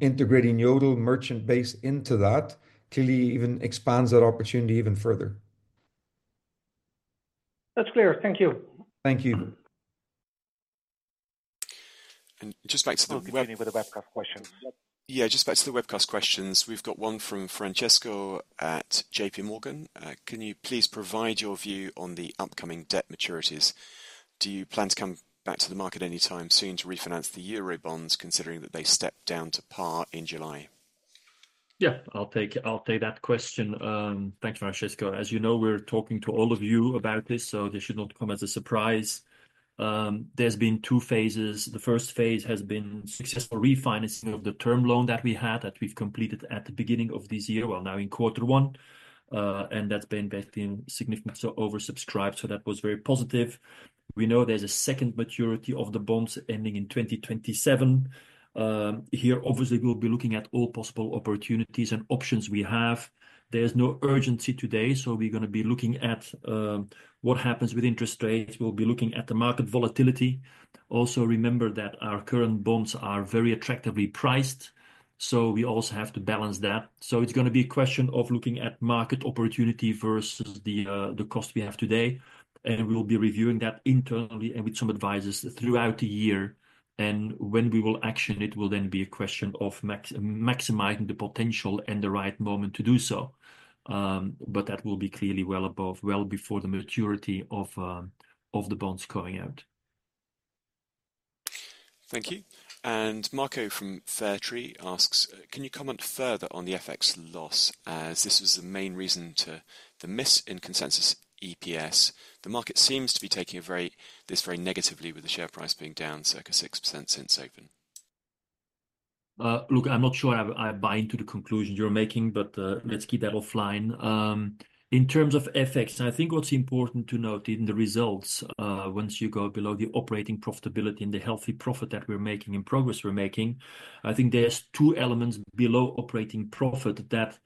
integrating Yodel merchant base into that clearly even expands that opportunity even further. That's clear. Thank you. Thank you. Just back to the webcast questions. Yeah, just back to the webcast questions. We've got one from Francesco at JPMorgan. Can you please provide your view on the upcoming debt maturities? Do you plan to come back to the market anytime soon to refinance the euro bonds considering that they stepped down to par in July? Yeah, I'll take that question. Thanks, Francesco. As you know, we're talking to all of you about this, so this should not come as a surprise. There's been two phases. The first phase has been successful refinancing of the term loan that we had that we've completed at the beginning of this year, now in quarter one. That's been significantly oversubscribed, so that was very positive. We know there's a second maturity of the bonds ending in 2027. Here, obviously, we'll be looking at all possible opportunities and options we have. There's no urgency today, so we're going to be looking at what happens with interest rates. We'll be looking at the market volatility. Also remember that our current bonds are very attractively priced, so we also have to balance that. It is going to be a question of looking at market opportunity versus the cost we have today. We will be reviewing that internally and with some advisors throughout the year. When we will action it, it will then be a question of maximizing the potential and the right moment to do so. That will be clearly well above, well before the maturity of the bonds coming out. Thank you. Marco from Fairtree asks, can you comment further on the FX loss as this was the main reason to the miss in consensus EPS? The market seems to be taking this very negatively with the share price being down circa 6% since open. Look, I'm not sure I buy into the conclusion you're making, but let's keep that offline. In terms of FX, I think what's important to note in the results, once you go below the operating profitability and the healthy profit that we're making and progress we're making, I think there's two elements below operating profit that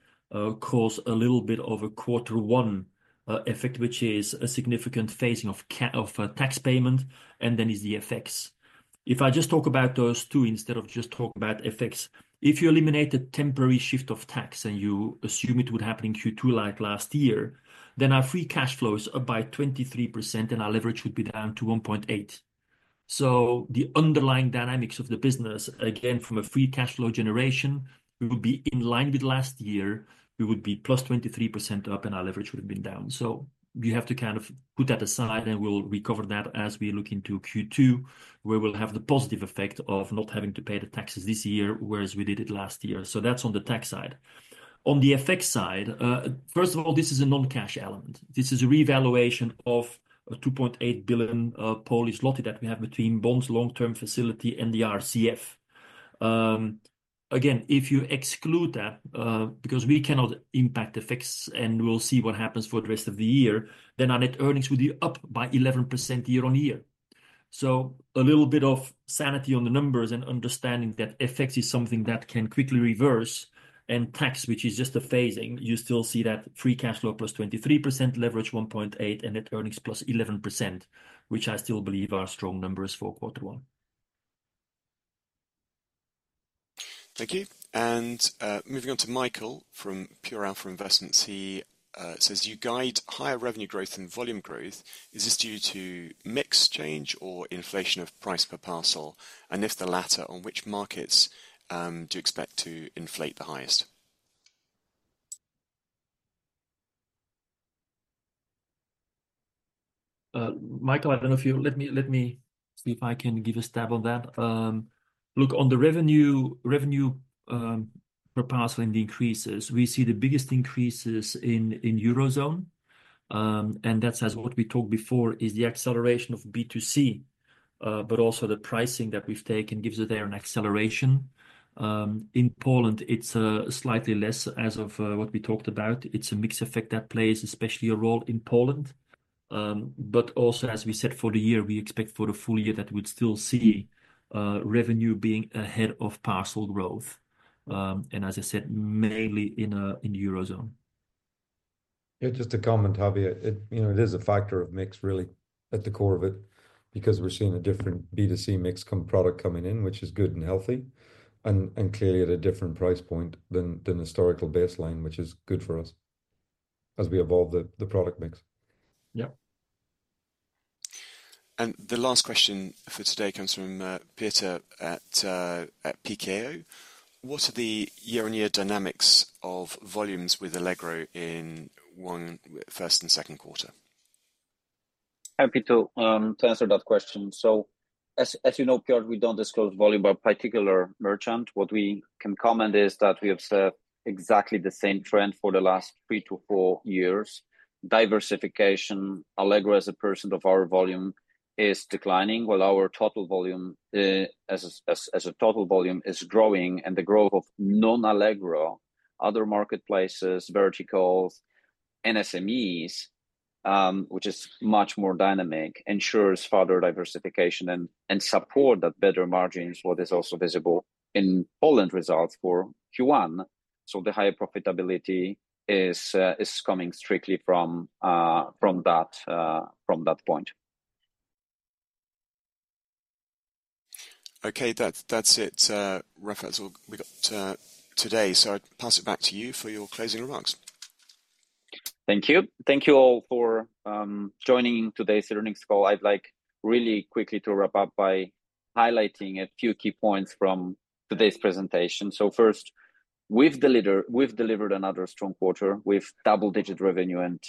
cause a little bit of a quarter one effect, which is a significant phasing of tax payment, and then is the FX. If I just talk about those two instead of just talking about FX, if you eliminate a temporary shift of tax and you assume it would happen in Q2 like last year, then our free cash flow is up by 23% and our leverage would be down to 1.8. So the underlying dynamics of the business, again, from a free cash flow generation, we would be in line with last year. We would be +23% up and our leverage would have been down. You have to kind of put that aside and we will recover that as we look into Q2, where we will have the positive effect of not having to pay the taxes this year, whereas we did it last year. That is on the tax side. On the FX side, first of all, this is a non-cash element. This is a revaluation of a 2.8 billion that we have between bonds, long-term facility, and the RCF. Again, if you exclude that, because we cannot impact the FX and we will see what happens for the rest of the year, then our net earnings would be up by 11% year-on-year. A little bit of sanity on the numbers and understanding that FX is something that can quickly reverse and tax, which is just a phasing, you still see that free cash flow +23%, leverage 1.8, and net earnings +11%, which I still believe are strong numbers for quarter one. Thank you. Moving on to Michael from Pure Alpha Investments, he says, you guide higher revenue growth and volume growth. Is this due to mix change or inflation of price per parcel? If the latter, on which markets do you expect to inflate the highest? Michael, I do not know if you will let me see if I can give a stab on that. Look, on the revenue per parcel increases, we see the biggest increases in the Eurozone. That is as what we talked before is the acceleration of B2C, but also the pricing that we have taken gives it there an acceleration. In Poland, it is slightly less as of what we talked about. It is a mixed effect that plays especially a role in Poland. Also, as we said for the year, we expect for the full year that we would still see revenue being ahead of parcel growth. As I said, mainly in the Eurozone. Yeah, just to comment, Javier, it is a factor of mix really at the core of it because we're seeing a different B2C mix product coming in, which is good and healthy. Clearly at a different price point than historical baseline, which is good for us as we evolve the product mix. Yeah. The last question for today comes from Peter at PKO. What are the year-on-year dynamics of volumes with Allegro in first and second quarter? Happy to answer that question. As you know, we do not disclose volume by particular merchant. What we can comment is that we observe exactly the same trend for the last three to four years. Diversification, Allegro as a portion of our volume is declining, while our total volume is growing. The growth of non-Allegro, other marketplaces, verticals, and SMEs, which is much more dynamic, ensures further diversification and supports better margins, which is also visible in Poland results for Q1. The higher profitability is coming strictly from that point. Okay, that's it, Rafał, we got today. So I'll pass it back to you for your closing remarks. Thank you. Thank you all for joining today's earnings call. I'd like really quickly to wrap up by highlighting a few key points from today's presentation. First, we've delivered another strong quarter with double-digit revenue and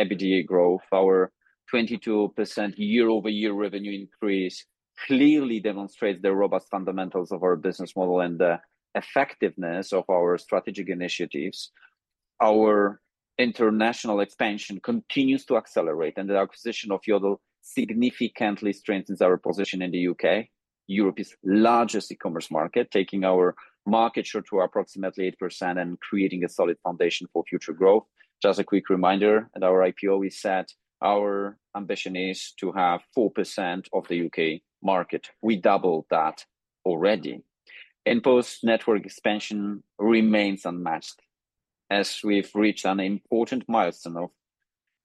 EBITDA growth. Our 22% year-over-year revenue increase clearly demonstrates the robust fundamentals of our business model and the effectiveness of our strategic initiatives. Our international expansion continues to accelerate, and the acquisition of Yodel significantly strengthens our position in the U.K., Europe's largest e-commerce market, taking our market share to approximately 8% and creating a solid foundation for future growth. Just a quick reminder at our IPO, we said our ambition is to have 4% of the U.K. market. We doubled that already. InPost network expansion remains unmatched as we've reached an important milestone of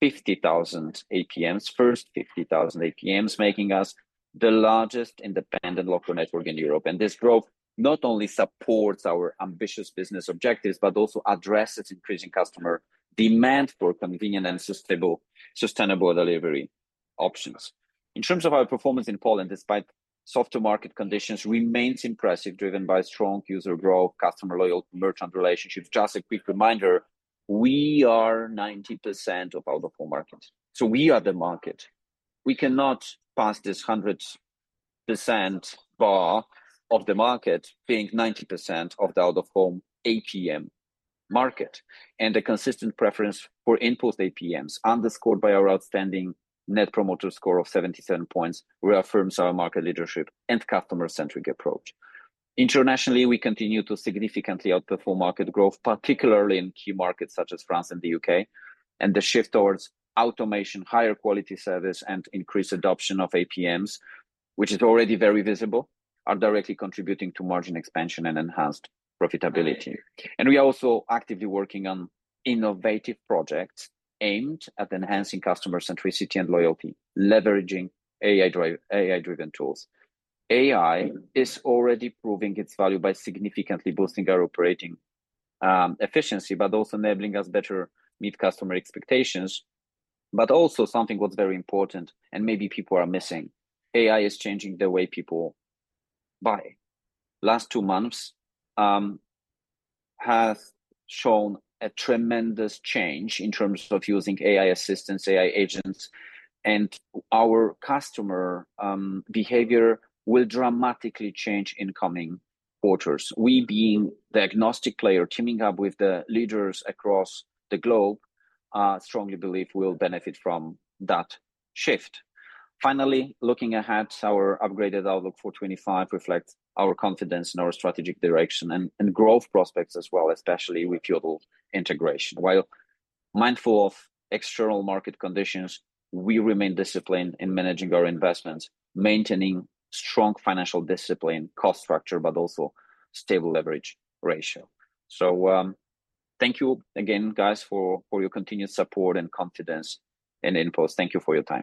50,000 APMs, first 50,000 APMs, making us the largest independent locker network in Europe. This growth not only supports our ambitious business objectives, but also addresses increasing customer demand for convenient and sustainable delivery options. In terms of our performance in Poland, despite soft market conditions, it remains impressive, driven by strong user growth, customer loyalty, and merchant relationships. Just a quick reminder, we are 90% of the out-of-home market. We are the market. We cannot pass this 100% bar of the market being 90% of the out-of-home APM market. A consistent preference for InPost APMs, underscored by our outstanding Net Promoter Score of 77 points, reaffirms our market leadership and customer-centric approach. Internationally, we continue to significantly outperform market growth, particularly in key markets such as France and the U.K. The shift towards automation, higher quality service, and increased adoption of APMs, which is already very visible, are directly contributing to margin expansion and enhanced profitability. We are also actively working on innovative projects aimed at enhancing customer centricity and loyalty, leveraging AI-driven tools. AI is already proving its value by significantly boosting our operating efficiency, but also enabling us to better meet customer expectations. Also, something that's very important and maybe people are missing, AI is changing the way people buy. The last two months have shown a tremendous change in terms of using AI assistants, AI agents, and our customer behavior will dramatically change in coming quarters. We, being the agnostic player teaming up with the leaders across the globe, strongly believe we will benefit from that shift. Finally, looking ahead, our upgraded outlook for 2025 reflects our confidence in our strategic direction and growth prospects as well, especially with Yodel integration. While mindful of external market conditions, we remain disciplined in managing our investments, maintaining strong financial discipline, cost structure, but also stable leverage ratio. Thank you again, guys, for your continued support and confidence and inputs. Thank you for your time.